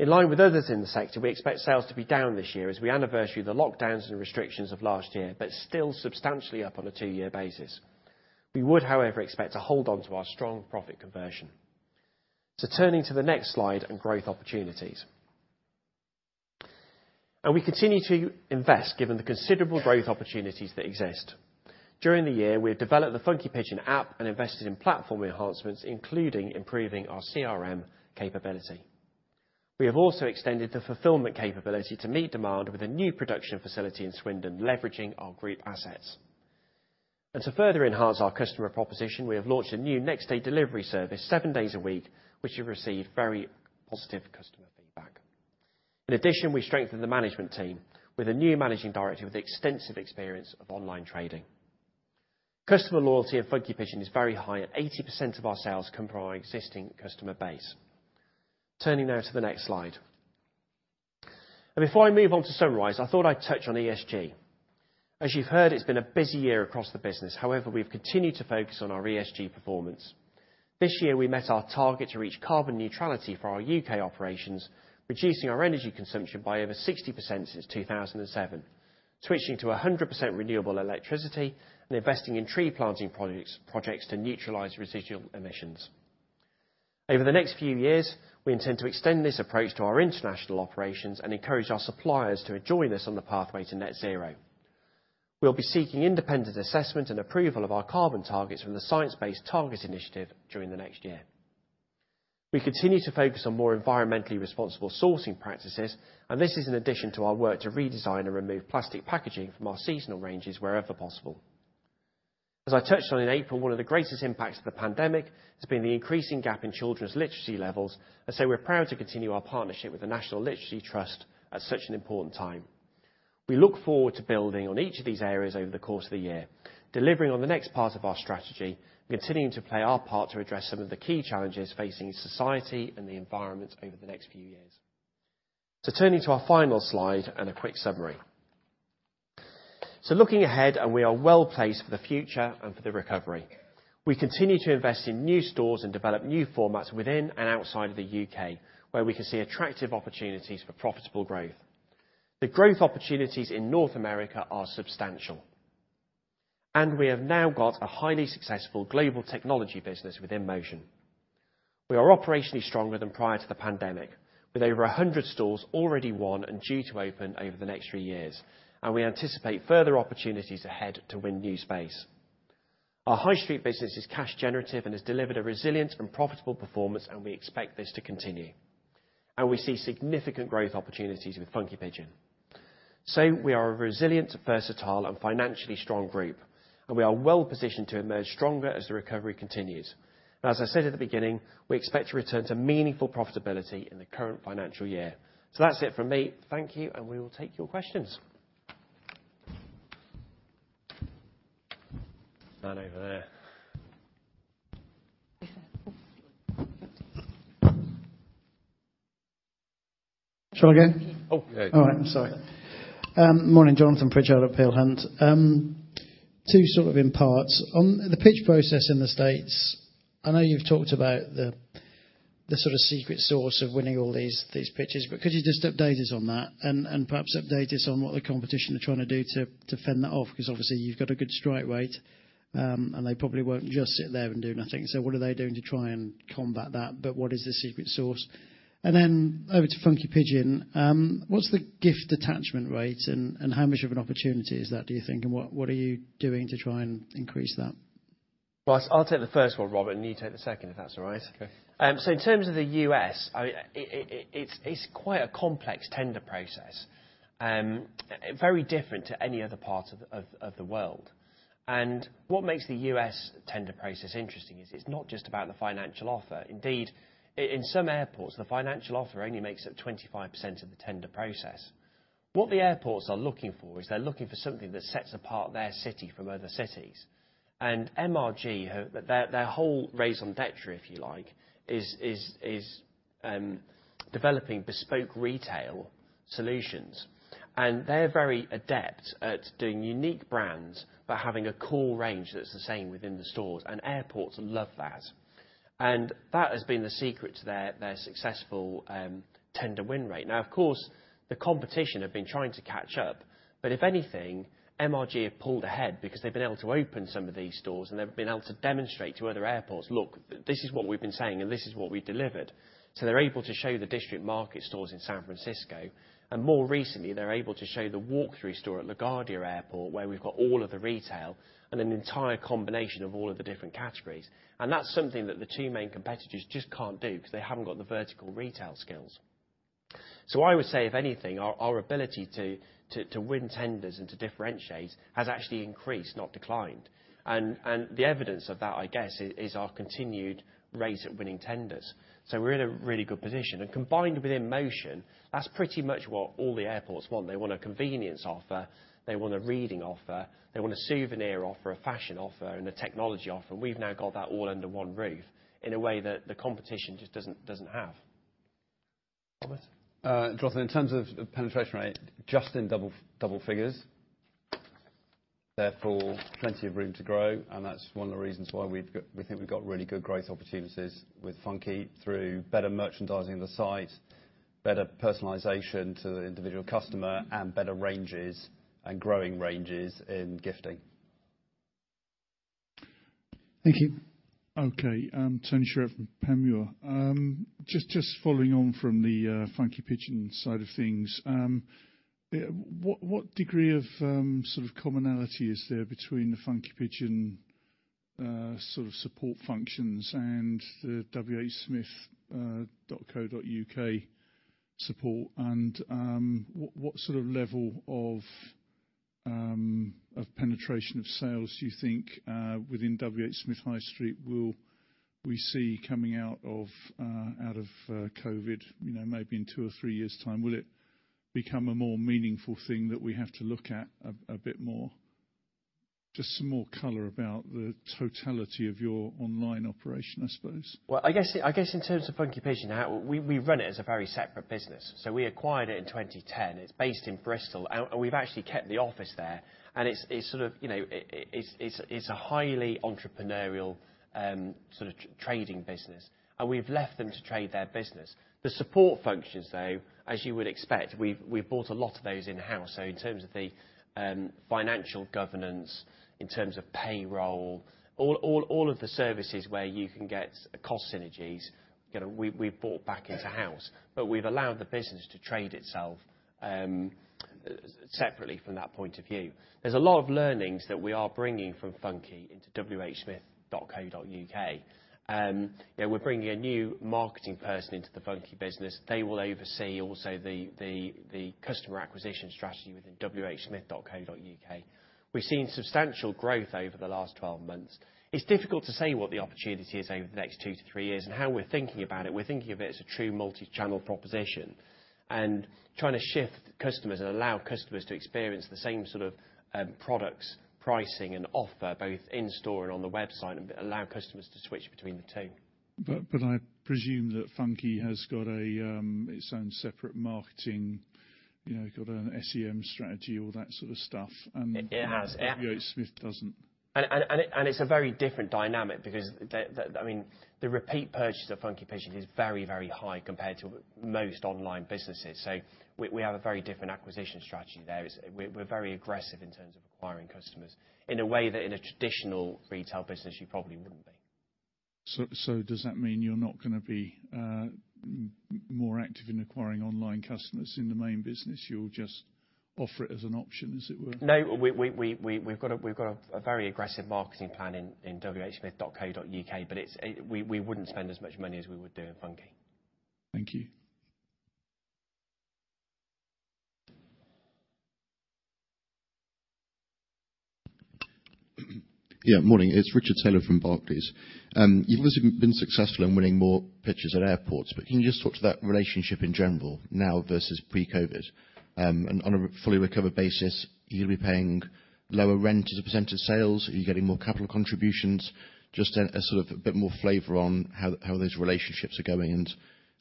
A: In line with others in the sector, we expect sales to be down this year as we anniversary the lockdowns and restrictions of last year, but still substantially up on a two-year basis. We would, however, expect to hold on to our strong profit conversion. Turning to the next slide and growth opportunities. We continue to invest given the considerable growth opportunities that exist. During the year, we have developed the Funky Pigeon app and invested in platform enhancements, including improving our CRM capability. We have also extended the fulfillment capability to meet demand with a new production facility in Swindon, leveraging our group assets. To further enhance our customer proposition, we have launched a new next day delivery service seven days a week, which have received very positive customer feedback. In addition, we strengthened the management team with a new managing director with extensive experience of online trading. Customer loyalty at Funky Pigeon is very high. 80% of our sales come from our existing customer base. Turning now to the next slide. Before I move on to summarize, I thought I'd touch on ESG. As you've heard, it's been a busy year across the business. However, we've continued to focus on our ESG performance. This year, we met our target to reach carbon neutrality for our U.K. operations, reducing our energy consumption by over 60% since 2007, switching to 100% renewable electricity and investing in tree planting projects to neutralize residual emissions. Over the next few years, we intend to extend this approach to our international operations and encourage our suppliers to join us on the pathway to net zero. We'll be seeking independent assessment and approval of our carbon targets from the Science Based Targets initiative during the next year. We continue to focus on more environmentally responsible sourcing practices, and this is in addition to our work to redesign and remove plastic packaging from our seasonal ranges wherever possible. As I touched on in April, one of the greatest impacts of the pandemic has been the increasing gap in children's literacy levels. We're proud to continue our partnership with the National Literacy Trust at such an important time. We look forward to building on each of these areas over the course of the year, delivering on the next part of our strategy, continuing to play our part to address some of the key challenges facing society and the environment over the next few years. Turning to our final slide and a quick summary. Looking ahead and we are well-placed for the future and for the recovery. We continue to invest in new stores and develop new formats within and outside of the U.K., where we can see attractive opportunities for profitable growth. The growth opportunities in North America are substantial, and we have now got a highly successful global technology business within InMotion. We are operationally stronger than prior to the pandemic, with over 100 stores already won and due to open over the next three years, and we anticipate further opportunities ahead to win new space. Our High Street business is cash generative and has delivered a resilient and profitable performance, and we expect this to continue. We see significant growth opportunities with Funky Pigeon. We are a resilient, versatile and financially strong group, and we are well-positioned to emerge stronger as the recovery continues. As I said at the beginning, we expect to return to meaningful profitability in the current financial year. That's it from me. Thank you, and we will take your questions. Man over there.
C: Try again?
A: Oh, yeah.
C: Morning, Jonathan Pritchard of Peel Hunt. Two sort of in parts. On the pitch process in the States, I know you've talked about the sort of secret sauce of winning all these pitches, but could you just update us on that and perhaps update us on what the competition are trying to do to fend that off? 'Cause obviously you've got a good strike rate, and they probably won't just sit there and do nothing. What are they doing to try and combat that, but what is the secret sauce? Then over to Funky Pigeon, what's the gift attachment rate and how much of an opportunity is that, do you think? And what are you doing to try and increase that?
A: Well, I'll take the first one, Robert, and you take the second, if that's all right.
C: Okay.
A: In terms of the U.S., it's quite a complex tender process. Very different to any other part of the world. What makes the U.S. tender process interesting is it's not just about the financial offer. Indeed, in some airports, the financial offer only makes up 25% of the tender process. What the airports are looking for is they're looking for something that sets apart their city from other cities. MRG, their whole raison d'être, if you like, is developing bespoke retail solutions. They're very adept at doing unique brands by having a core range that's the same within the stores, and airports love that. That has been the secret to their successful tender win rate. Now, of course, the competition have been trying to catch up, but if anything, MRG have pulled ahead because they've been able to open some of these stores, and they've been able to demonstrate to other airports, "Look, this is what we've been saying and this is what we delivered." They're able to show the District Market stores in San Francisco, and more recently, they're able to show the walk-through store at LaGuardia Airport where we've got all of the retail and an entire combination of all of the different categories. That's something that the two main competitors just can't do, 'cause they haven't got the vertical retail skills. I would say if anything, our ability to win tenders and to differentiate has actually increased, not declined. The evidence of that, I guess, is our continued rate of winning tenders. We're in a really good position. Combined with InMotion, that's pretty much what all the airports want. They want a convenience offer, they want a reading offer, they want a souvenir offer, a fashion offer, and a technology offer. We've now got that all under one roof in a way that the competition just doesn't have. Robert?
B: Jonathan, in terms of penetration rate, just in double figures, therefore plenty of room to grow, and that's one of the reasons why we think we've got really good growth opportunities with Funky through better merchandising the site, better personalization to the individual customer and better ranges and growing ranges in gifting.
C: Thank you.
D: Okay. Tony Shiret from Panmure. Just following on from the Funky Pigeon side of things, what degree of sort of commonality is there between the Funky Pigeon sort of support functions and the whsmith.co.uk support? And what sort of level of penetration of sales do you think within WH Smith High Street will we see coming out of COVID? You know, maybe in two or three years' time, will it become a more meaningful thing that we have to look at a bit more? Just some more color about the totality of your online operation, I suppose.
A: Well, I guess in terms of Funky Pigeon, we run it as a very separate business. We acquired it in 2010. It's based in Bristol and we've actually kept the office there, and it's sort of, you know, it's a highly entrepreneurial sort of trading business, and we've left them to trade their business. The support functions, though, as you would expect, we've brought a lot of those in-house. In terms of the financial governance, in terms of payroll, all of the services where you can get cost synergies, you know, we've brought back into house. We've allowed the business to trade itself separately from that point of view. There's a lot of learnings that we are bringing from Funky into whsmith.co.uk. You know, we're bringing a new marketing person into the Funky business. They will oversee also the customer acquisition strategy within whsmith.co.uk. We've seen substantial growth over the last 12 months. It's difficult to say what the opportunity is over the next 2-3 years. How we're thinking about it, we're thinking of it as a true multi-channel proposition, trying to shift customers and allow customers to experience the same sort of products, pricing, and offer both in-store and on the website and allow customers to switch between the two.
D: I presume that Funky has its own separate marketing, you know, got an SEM strategy, all that sort of stuff, and.
A: It has. Yeah.
D: WH Smith doesn't.
A: It's a very different dynamic because I mean, the repeat purchase at Funky Pigeon is very, very high compared to most online businesses. We have a very different acquisition strategy there, as we're very aggressive in terms of acquiring customers in a way that in a traditional retail business you probably wouldn't be.
D: Does that mean you're not gonna be more active in acquiring online customers in the main business? You'll just offer it as an option, as it were?
A: No. We've got a very aggressive marketing plan in whsmith.co.uk, but we wouldn't spend as much money as we would do in Funky.
D: Thank you.
E: Yeah, morning. It's Richard Taylor from Barclays. You've obviously been successful in winning more pitches at airports, but can you just talk to that relationship in general now versus pre-COVID? And on a fully recovered basis, are you gonna be paying lower rent as a percentage of sales? Are you getting more capital contributions? Just a sort of bit more flavor on how those relationships are going and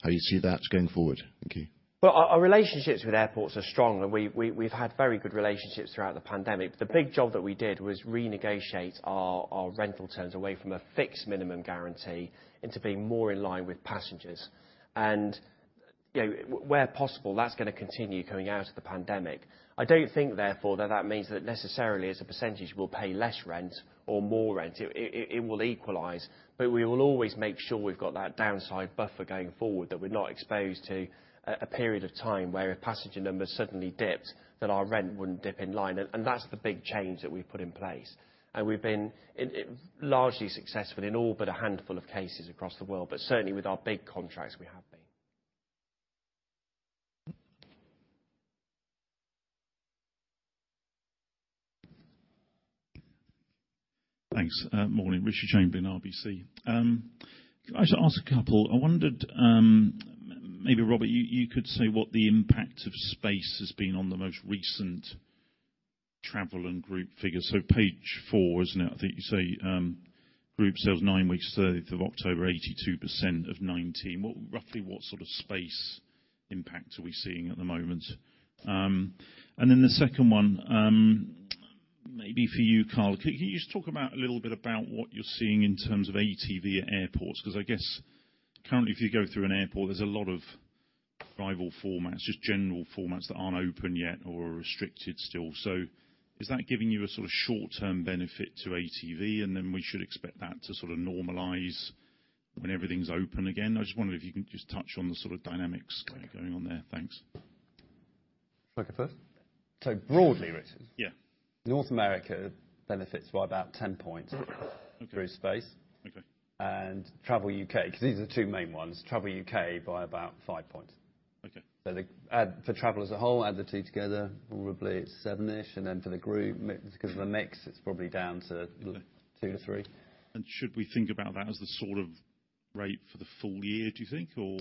E: how you see that going forward. Thank you.
A: Well, our relationships with airports are strong, and we've had very good relationships throughout the pandemic. The big job that we did was renegotiate our rental terms away from a fixed minimum guarantee into being more in line with passengers. You know, where possible, that's gonna continue coming out of the pandemic. I don't think, therefore, that that means that necessarily as a percentage we'll pay less rent or more rent. It will equalize, but we will always make sure we've got that downside buffer going forward, that we're not exposed to a period of time where if passenger numbers suddenly dipped, that our rent wouldn't dip in line. That's the big change that we've put in place. We've been largely successful in all but a handful of cases across the world, but certainly with our big contracts we have put.
F: Thanks. Morning. Richard Chamberlain, RBC. If I just ask a couple. I wondered, maybe Robert, you could say what the impact of space has been on the most recent travel and group figures. Page four, isn't it? I think you say, group sales nine weeks, 30th of October, 82% of 2019. Roughly what sort of space impact are we seeing at the moment? Then the second one, maybe for you, Carl, could you just talk about a little bit about what you're seeing in terms of ATV at airports? 'Cause I guess currently if you go through an airport, there's a lot of rival formats, just general formats that aren't open yet or are restricted still. Is that giving you a sort of short-term benefit to ATV, and then we should expect that to sort of normalize when everything's open again? I just wondered if you can just touch on the sort of dynamics going on there. Thanks.
B: Okay. Broadly, Richard.
F: Yeah.
B: North America benefits by about 10 points.
F: Okay.
B: Through space.
F: Okay.
B: Travel UK, 'cause these are the two main ones, Travel UK by about 5 points.
F: Okay.
B: For travel as a whole, add the 2 together, probably 7%-ish. For the group, because of the mix, it's probably down to.
F: Okay.
B: 2-3.
F: Should we think about that as the sort of rate for the full year, do you think? Or.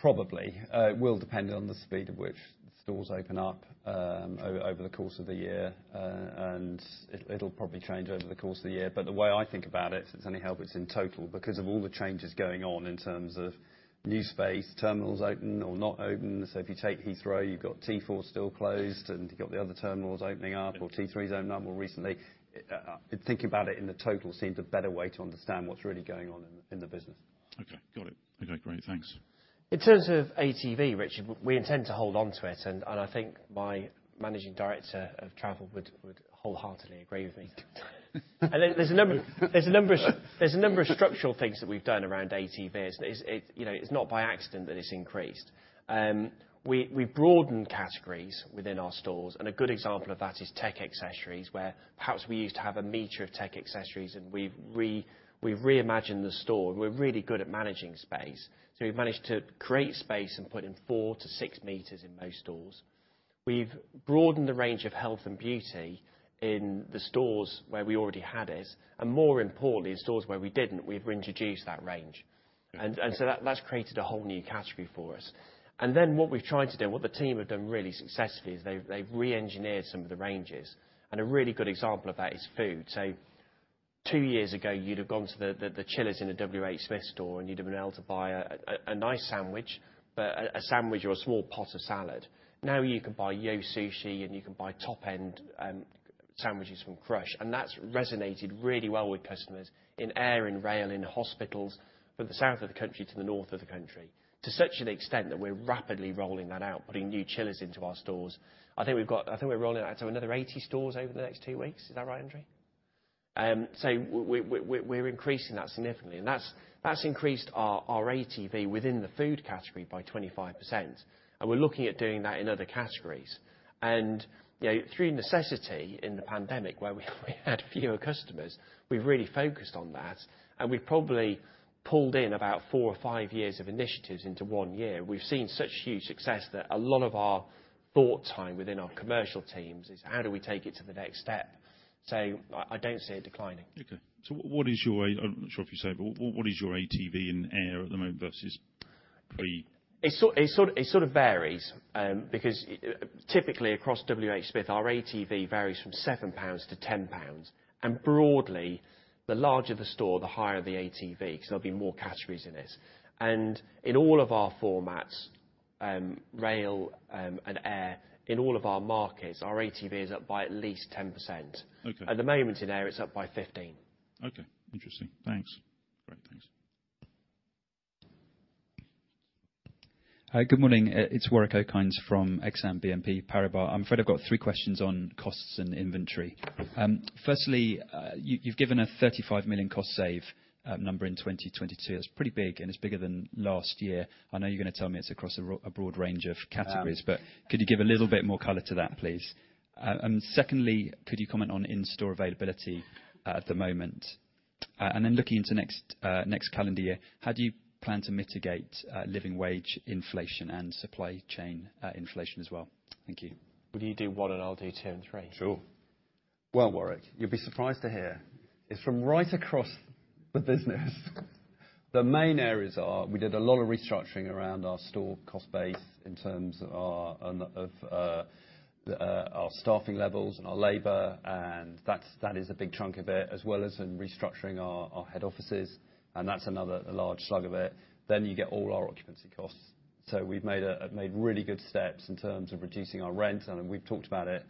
B: Probably. It will depend on the speed at which stores open up, over the course of the year. It'll probably change over the course of the year. The way I think about it, if it's any help, it's in total because of all the changes going on in terms of new space, terminals open or not open. If you take Heathrow, you've got T4 still closed, and you've got the other terminals opening up, or T3's opened up more recently. Thinking about it in the total seems a better way to understand what's really going on in the business.
F: Okay. Got it. Okay, great. Thanks.
A: In terms of ATV, Richard, we intend to hold on to it and I think my managing director of travel would wholeheartedly agree with me. There's a number of structural things that we've done around ATVs. You know, it's not by accident that it's increased. We broadened categories within our stores, and a good example of that is tech accessories, where perhaps we used to have a meter of tech accessories and we've reimagined the store, and we're really good at managing space. We've managed to create space and put in four to six meters in most stores. We've broadened the range of health and beauty in the stores where we already had it, and more importantly, in stores where we didn't, we've introduced that range.
F: Okay.
A: That's created a whole new category for us. What we've tried to do, what the team have done really successfully, is they've reengineered some of the ranges, and a really good example of that is food. Two years ago, you'd have gone to the chillers in a WH Smith store, and you'd have been able to buy a nice sandwich, but a sandwich or a small pot of salad. Now you can buy YO! Sushi, and you can buy top-end sandwiches from Crussh, and that's resonated really well with customers in Air, in Rail, in Hospitals, from the south of the country to the north of the country, to such an extent that we're rapidly rolling that out, putting new chillers into our stores. I think we're rolling out to another 80 stores over the next two weeks. Is that right, Andrew? We're increasing that significantly, and that's increased our ATV within the food category by 25%. We're looking at doing that in other categories. You know, through necessity in the pandemic where we had fewer customers, we've really focused on that, and we've probably pulled in about four or five years of initiatives into one year. We've seen such huge success that a lot of our thought time within our commercial teams is how do we take it to the next step? I don't see it declining.
F: Okay. What is your ATV in Air at the moment versus pre?
A: It sort of varies because typically across WH Smith, our ATV varies from 7 pounds to 10 pounds, and broadly, the larger the store, the higher the ATV 'cause there'll be more categories in it. In all of our formats, Rail, and Air, in all of our markets, our ATV is up by at least 10%.
F: Okay.
A: At the moment in air, it's up by 15%.
F: Okay. Interesting. Thanks. Great. Thanks.
G: Hi. Good morning. It's Warwick Okines from Exane BNP Paribas. I'm afraid I've got three questions on costs and inventory. Firstly, you've given a 35 million cost save number in 2022. That's pretty big, and it's bigger than last year. I know you're gonna tell me it's across a broad range of categories.
A: Um.
G: Could you give a little bit more color to that, please? Secondly, could you comment on in-store availability at the moment? Looking into next calendar year, how do you plan to mitigate living wage inflation and supply chain inflation as well? Thank you.
A: Will you do one and I'll do two and three?
B: Sure. Well, Warwick, you'll be surprised to hear it's from right across the business. The main areas are we did a lot of restructuring around our store cost base in terms of our staffing levels and our labor, and that is a big chunk of it, as well as in restructuring our head offices, and that's another large slug of it. You get all our occupancy costs. We've made really good steps in terms of reducing our rent, and we've talked about it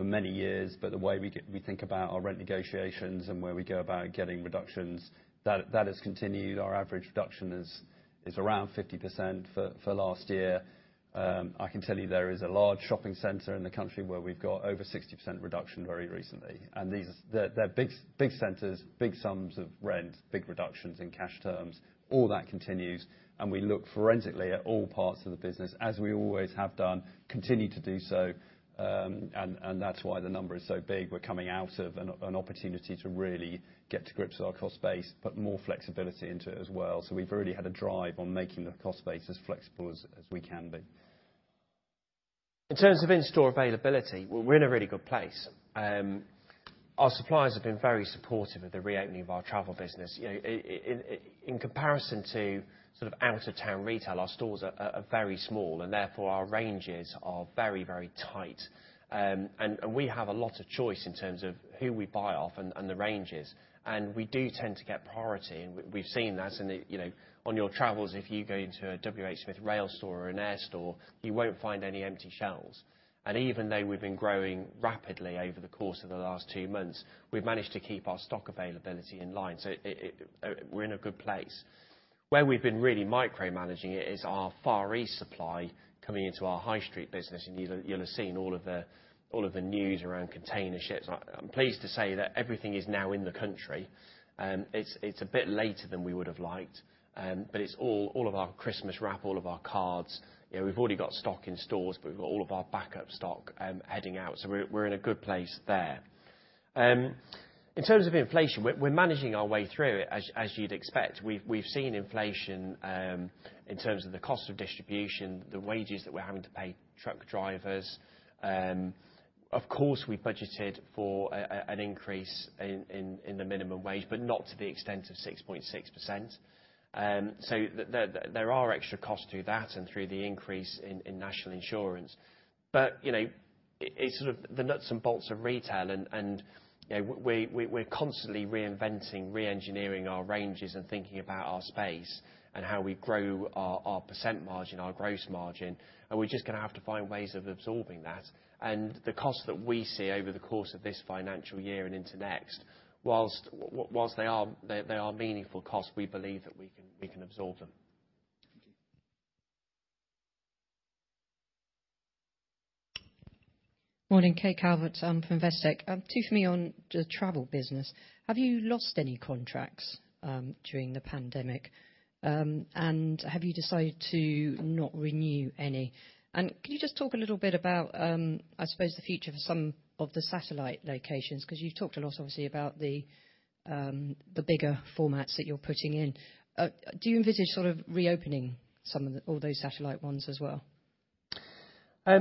B: for many years, but the way we think about our rent negotiations and where we go about getting reductions, that has continued. Our average reduction is around 50% for last year. I can tell you there is a large shopping center in the country where we've got over 60% reduction very recently. These are big centers, big sums of rent, big reductions in cash terms. All that continues, and we look forensically at all parts of the business, as we always have done, continue to do so. That's why the number is so big. We're coming out of an opportunity to really get to grips with our cost base, put more flexibility into it as well. We've really had a drive on making the cost base as flexible as we can be.
A: In terms of in-store availability, well, we're in a really good place. Our suppliers have been very supportive of the reopening of our travel business. You know, in comparison to sort of out-of-town retail, our stores are very small and therefore our ranges are very tight. We have a lot of choice in terms of who we buy from and the ranges, and we do tend to get priority and we've seen that and, you know, on your travels, if you go into a WH Smith rail store or an airport store, you won't find any empty shelves. Even though we've been growing rapidly over the course of the last two months, we've managed to keep our stock availability in line. We're in a good place. Where we've been really micromanaging it is our Far East supply coming into our high street business, and you'll have seen all of the news around container ships. I'm pleased to say that everything is now in the country. It's a bit later than we would have liked, but it's all of our Christmas wrap, all of our cards, you know, we've already got stock in stores, but we've got all of our backup stock heading out, so we're in a good place there. In terms of inflation, we're managing our way through it, as you'd expect. We've seen inflation in terms of the cost of distribution, the wages that we're having to pay truck drivers. Of course, we budgeted for an increase in the minimum wage, but not to the extent of 6.6%. There are extra costs through that and through the increase in National Insurance. You know, it's sort of the nuts and bolts of retail and you know, we're constantly reinventing, re-engineering our ranges and thinking about our space and how we grow our gross margin, and we're just gonna have to find ways of absorbing that. The costs that we see over the course of this financial year and into next, while they are meaningful costs, we believe that we can absorb them.
H: Thank you. Morning, Kate Calvert, I'm from Investec. Two for me on the travel business. Have you lost any contracts during the pandemic? And have you decided to not renew any? Can you just talk a little bit about, I suppose, the future for some of the satellite locations? Because you've talked a lot, obviously, about the bigger formats that you're putting in. Do you envisage sort of reopening some of the, all those satellite ones as well?
A: I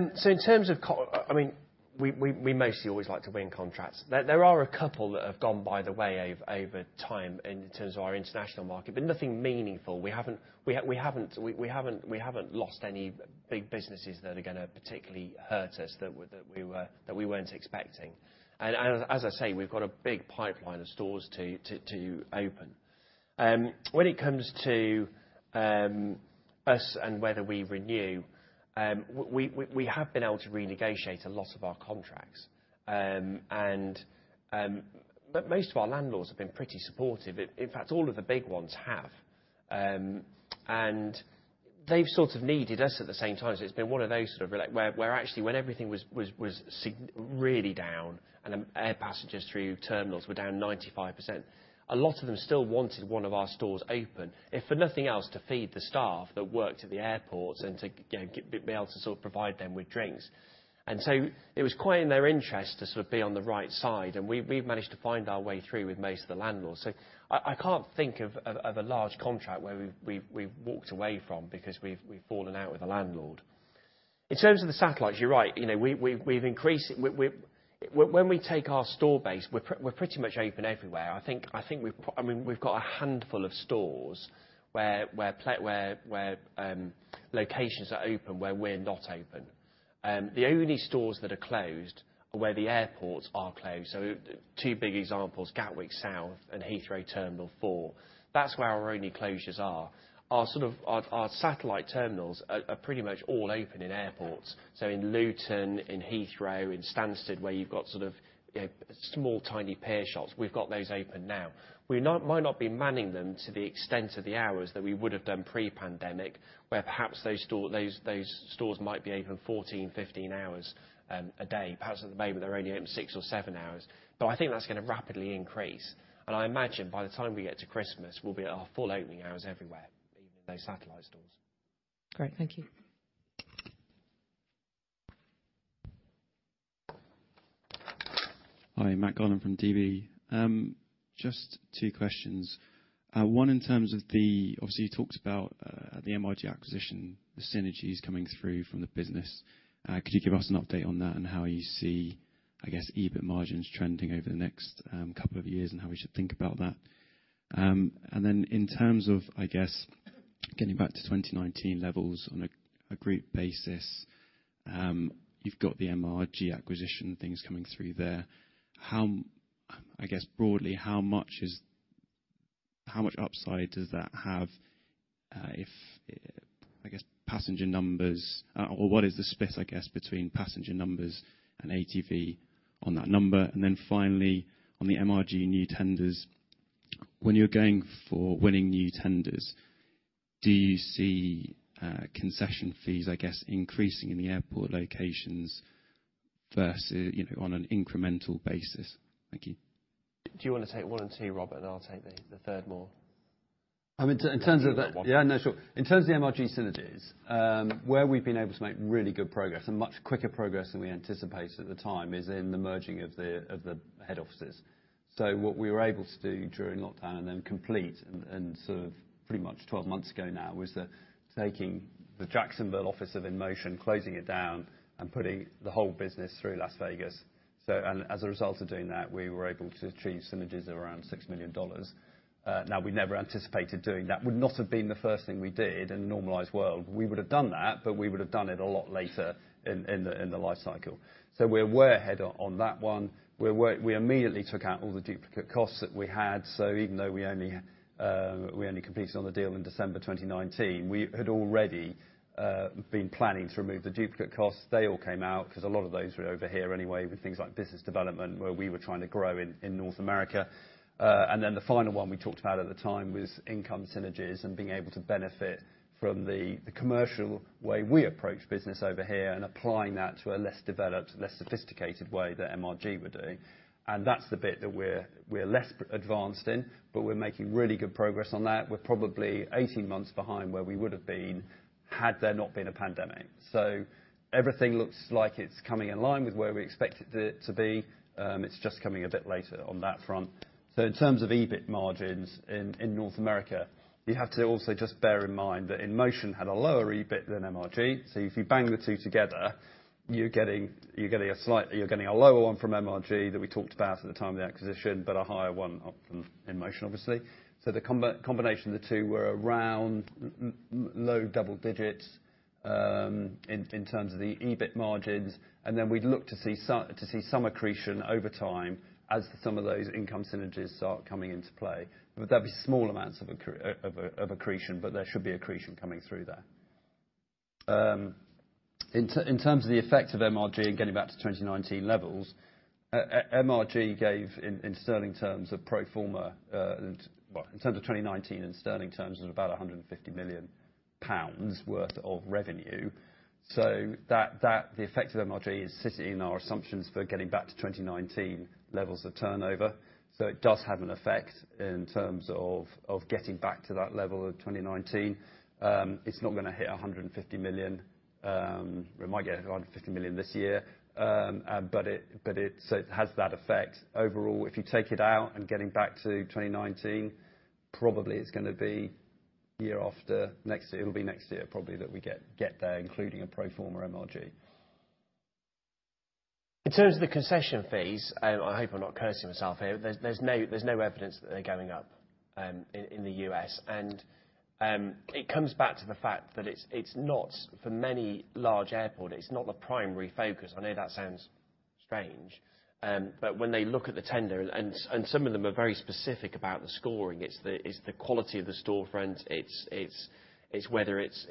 A: mean, we mostly always like to win contracts. There are a couple that have gone by the wayside over time in terms of our international market, but nothing meaningful. We haven't lost any big businesses that are gonna particularly hurt us, that we weren't expecting. As I say, we've got a big pipeline of stores to open. When it comes to us and whether we renew, we have been able to renegotiate a lot of our contracts, but most of our landlords have been pretty supportive. In fact, all of the big ones have. They've sort of needed us at the same time. It's been one of those sort of relationships where actually when everything was really down and air passengers through terminals were down 95%, a lot of them still wanted one of our stores open, if for nothing else, to feed the staff that worked at the airports and to, you know, be able to sort of provide them with drinks. It was quite in their interest to sort of be on the right side, and we've managed to find our way through with most of the landlords. I can't think of a large contract where we've walked away from because we've fallen out with the landlord. In terms of the satellites, you're right. You know, we've when we take our store base, we're pretty much open everywhere. I think, I mean, we've got a handful of stores where locations are open where we're not open. The only stores that are closed are where the airports are closed. So two big examples, Gatwick South and Heathrow Terminal 4, that's where our only closures are. Our sort of satellite terminals are pretty much all open in airports. So in Luton, in Heathrow, in Stansted, where you've got sort of, you know, small, tiny pier shops, we've got those open now. Might not be manning them to the extent of the hours that we would have done pre-pandemic, where perhaps those stores might be open 14, 15 hours a day. Perhaps at the moment, they're only open six or seven hours. I think that's gonna rapidly increase. I imagine by the time we get to Christmas, we'll be at our full opening hours everywhere, even in those satellite stores.
H: Great. Thank you.
I: Hi, Matt Garland from DB. Just two questions. One, in terms of, obviously, you talked about the MRG acquisition, the synergies coming through from the business. Could you give us an update on that and how you see, I guess, EBIT margins trending over the next couple of years and how we should think about that? In terms of, I guess, getting back to 2019 levels on a group basis, you've got the MRG acquisition, things coming through there. How, I guess, broadly, how much upside does that have, if passenger numbers or what is the split, I guess, between passenger numbers and ATV on that number? Then finally, on the MRG new tenders, when you're going for winning new tenders, do you see concession fees, I guess, increasing in the airport locations versus on an incremental basis? Thank you.
A: Do you wanna take one and two, Robert? I'll take the third one.
B: I mean, in terms of, yeah, no, sure. In terms of the MRG synergies, where we've been able to make really good progress, and much quicker progress than we anticipated at the time, is in the merging of the head offices. What we were able to do during lockdown and then complete and sort of pretty much 12 months ago now was taking the Jacksonville office of InMotion, closing it down, and putting the whole business to Las Vegas. And as a result of doing that, we were able to achieve synergies of around $6 million. We never anticipated doing that. Would not have been the first thing we did in a normalized world. We would have done that, but we would have done it a lot later in the life cycle. We're ahead on that one. We immediately took out all the duplicate costs that we had, so even though we only completed on the deal in December 2019, we had already been planning to remove the duplicate costs. They all came out, 'cause a lot of those were over here anyway, with things like business development, where we were trying to grow in North America. Then the final one we talked about at the time was income synergies and being able to benefit from the commercial way we approach business over here and applying that to a less developed, less sophisticated way that MRG were doing. That's the bit that we're less advanced in, but we're making really good progress on that. We're probably 18 months behind where we would have been had there not been a pandemic. Everything looks like it's coming in line with where we expected it to be. It's just coming a bit later on that front. In terms of EBIT margins in North America, you have to also just bear in mind that InMotion had a lower EBIT than MRG. If you bang the two together, you're getting a lower one from MRG that we talked about at the time of the acquisition, but a higher one from InMotion, obviously. The combination of the two were around low double digits in terms of the EBIT margins, and then we'd look to see some accretion over time as some of those income synergies start coming into play. They'll be small amounts of accretion, but there should be accretion coming through there. In terms of the effect of MRG and getting back to 2019 levels, MRG gave in sterling terms a pro forma, well, in terms of 2019, in sterling terms, it was about 150 million pounds worth of revenue. The effect of MRG is sitting in our assumptions for getting back to 2019 levels of turnover. It does have an effect in terms of getting back to that level of 2019. It's not gonna hit 150 million. It might get 150 million this year. But it has that effect. Overall, if you take it out and getting back to 2019, probably it's gonna be year after next. It'll be next year probably that we get there, including a pro forma MRG.
A: In terms of the concession fees, I hope I'm not cursing myself here. There's no evidence that they're going up in the U.S. It comes back to the fact that it's not, for many large airport, the primary focus. I know that sounds strange. When they look at the tender, and some of them are very specific about the scoring, it's the quality of the storefront, it's whether it's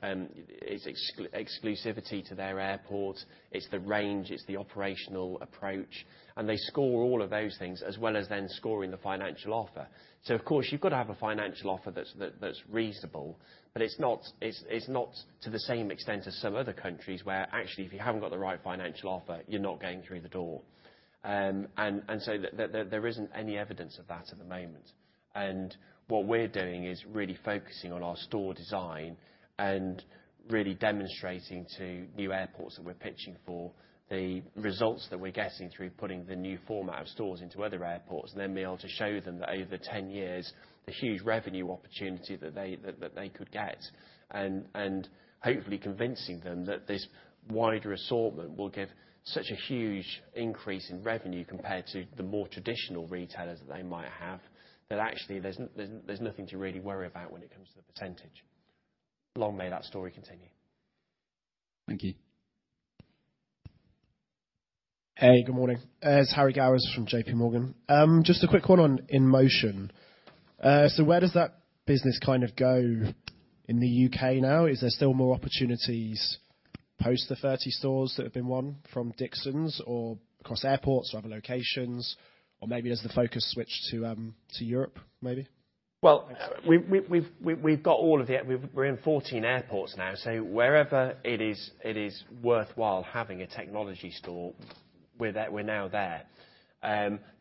A: exclusivity to their airport, it's the range, it's the operational approach. They score all of those things as well as then scoring the financial offer. Of course, you've got to have a financial offer that's reasonable, but it's not to the same extent as some other countries where actually if you haven't got the right financial offer, you're not going through the door. There isn't any evidence of that at the moment. What we're doing is really focusing on our store design and really demonstrating to new airports that we're pitching for the results that we're getting through putting the new format of stores into other airports and then being able to show them that over 10 years, the huge revenue opportunity that they could get. Hopefully convincing them that this wider assortment will give such a huge increase in revenue compared to the more traditional retailers that they might have, that actually there's nothing to really worry about when it comes to the percentage. Long may that story continue.
I: Thank you.
J: Hey, good morning. It's Harry Gowers from JPMorgan. Just a quick one on InMotion. So where does that business kind of go in the U.K. now? Is there still more opportunities post the 30 stores that have been won from Dixons or across airports or other locations? Maybe has the focus switched to Europe maybe?
A: Well, we're in 14 airports now, so wherever it is, it is worthwhile having a technology store, we're now there.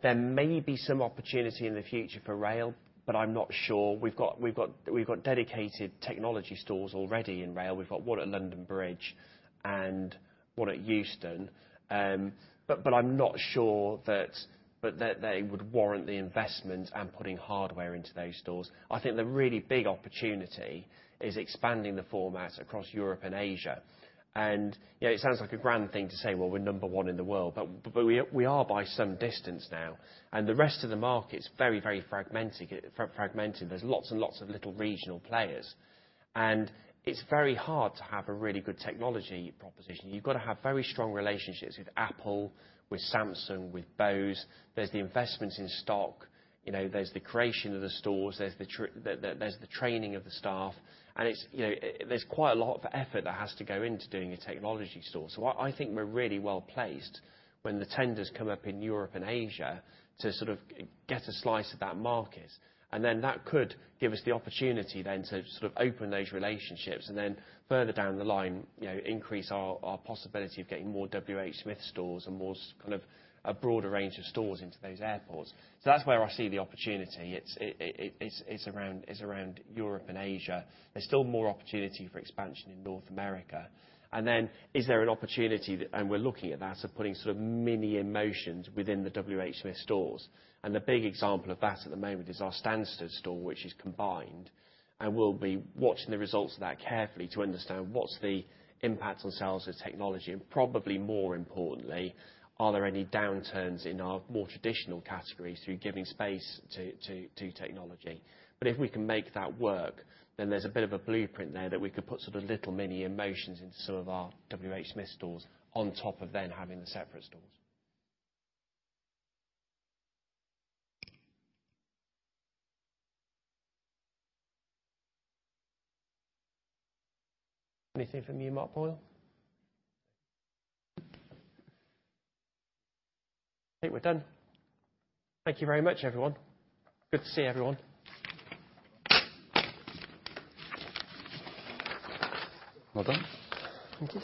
A: There may be some opportunity in the future for Rail, but I'm not sure. We've got dedicated technology stores already in Rail. We've got one at London Bridge and one at Euston. But I'm not sure that it would warrant the investment and putting hardware into those stores. I think the really big opportunity is expanding the format across Europe and Asia. You know, it sounds like a grand thing to say, "Well, we're number one in the world," but we are by some distance now, and the rest of the market's very fragmented. There's lots and lots of little regional players, and it's very hard to have a really good technology proposition. You've got to have very strong relationships with Apple, with Samsung, with Bose. There's the investments in stock. You know, there's the creation of the stores, there's the training of the staff, and, you know, there's quite a lot of effort that has to go into doing a technology store. I think we're really well-placed when the tenders come up in Europe and Asia to sort of get a slice of that market. Then that could give us the opportunity then to sort of open those relationships, and then further down the line, you know, increase our possibility of getting more WH Smith stores and more kind of a broader range of stores into those airports. That's where I see the opportunity. It's around Europe and Asia. There's still more opportunity for expansion in North America. Is there an opportunity, and we're looking at that, of putting sort of mini InMotion within the WH Smith stores? The big example of that at the moment is our Stansted store, which is combined, and we'll be watching the results of that carefully to understand what's the impact on sales of technology, and probably more importantly, are there any downturns in our more traditional categories through giving space to technology. If we can make that work, then there's a bit of a blueprint there that we could put sort of little mini InMotion into some of our WH Smith stores on top of then having the separate stores. Anything from you, Mark Boyle? I think we're done. Thank you very much, everyone. Good to see everyone.
B: Well done.
K: Thank you.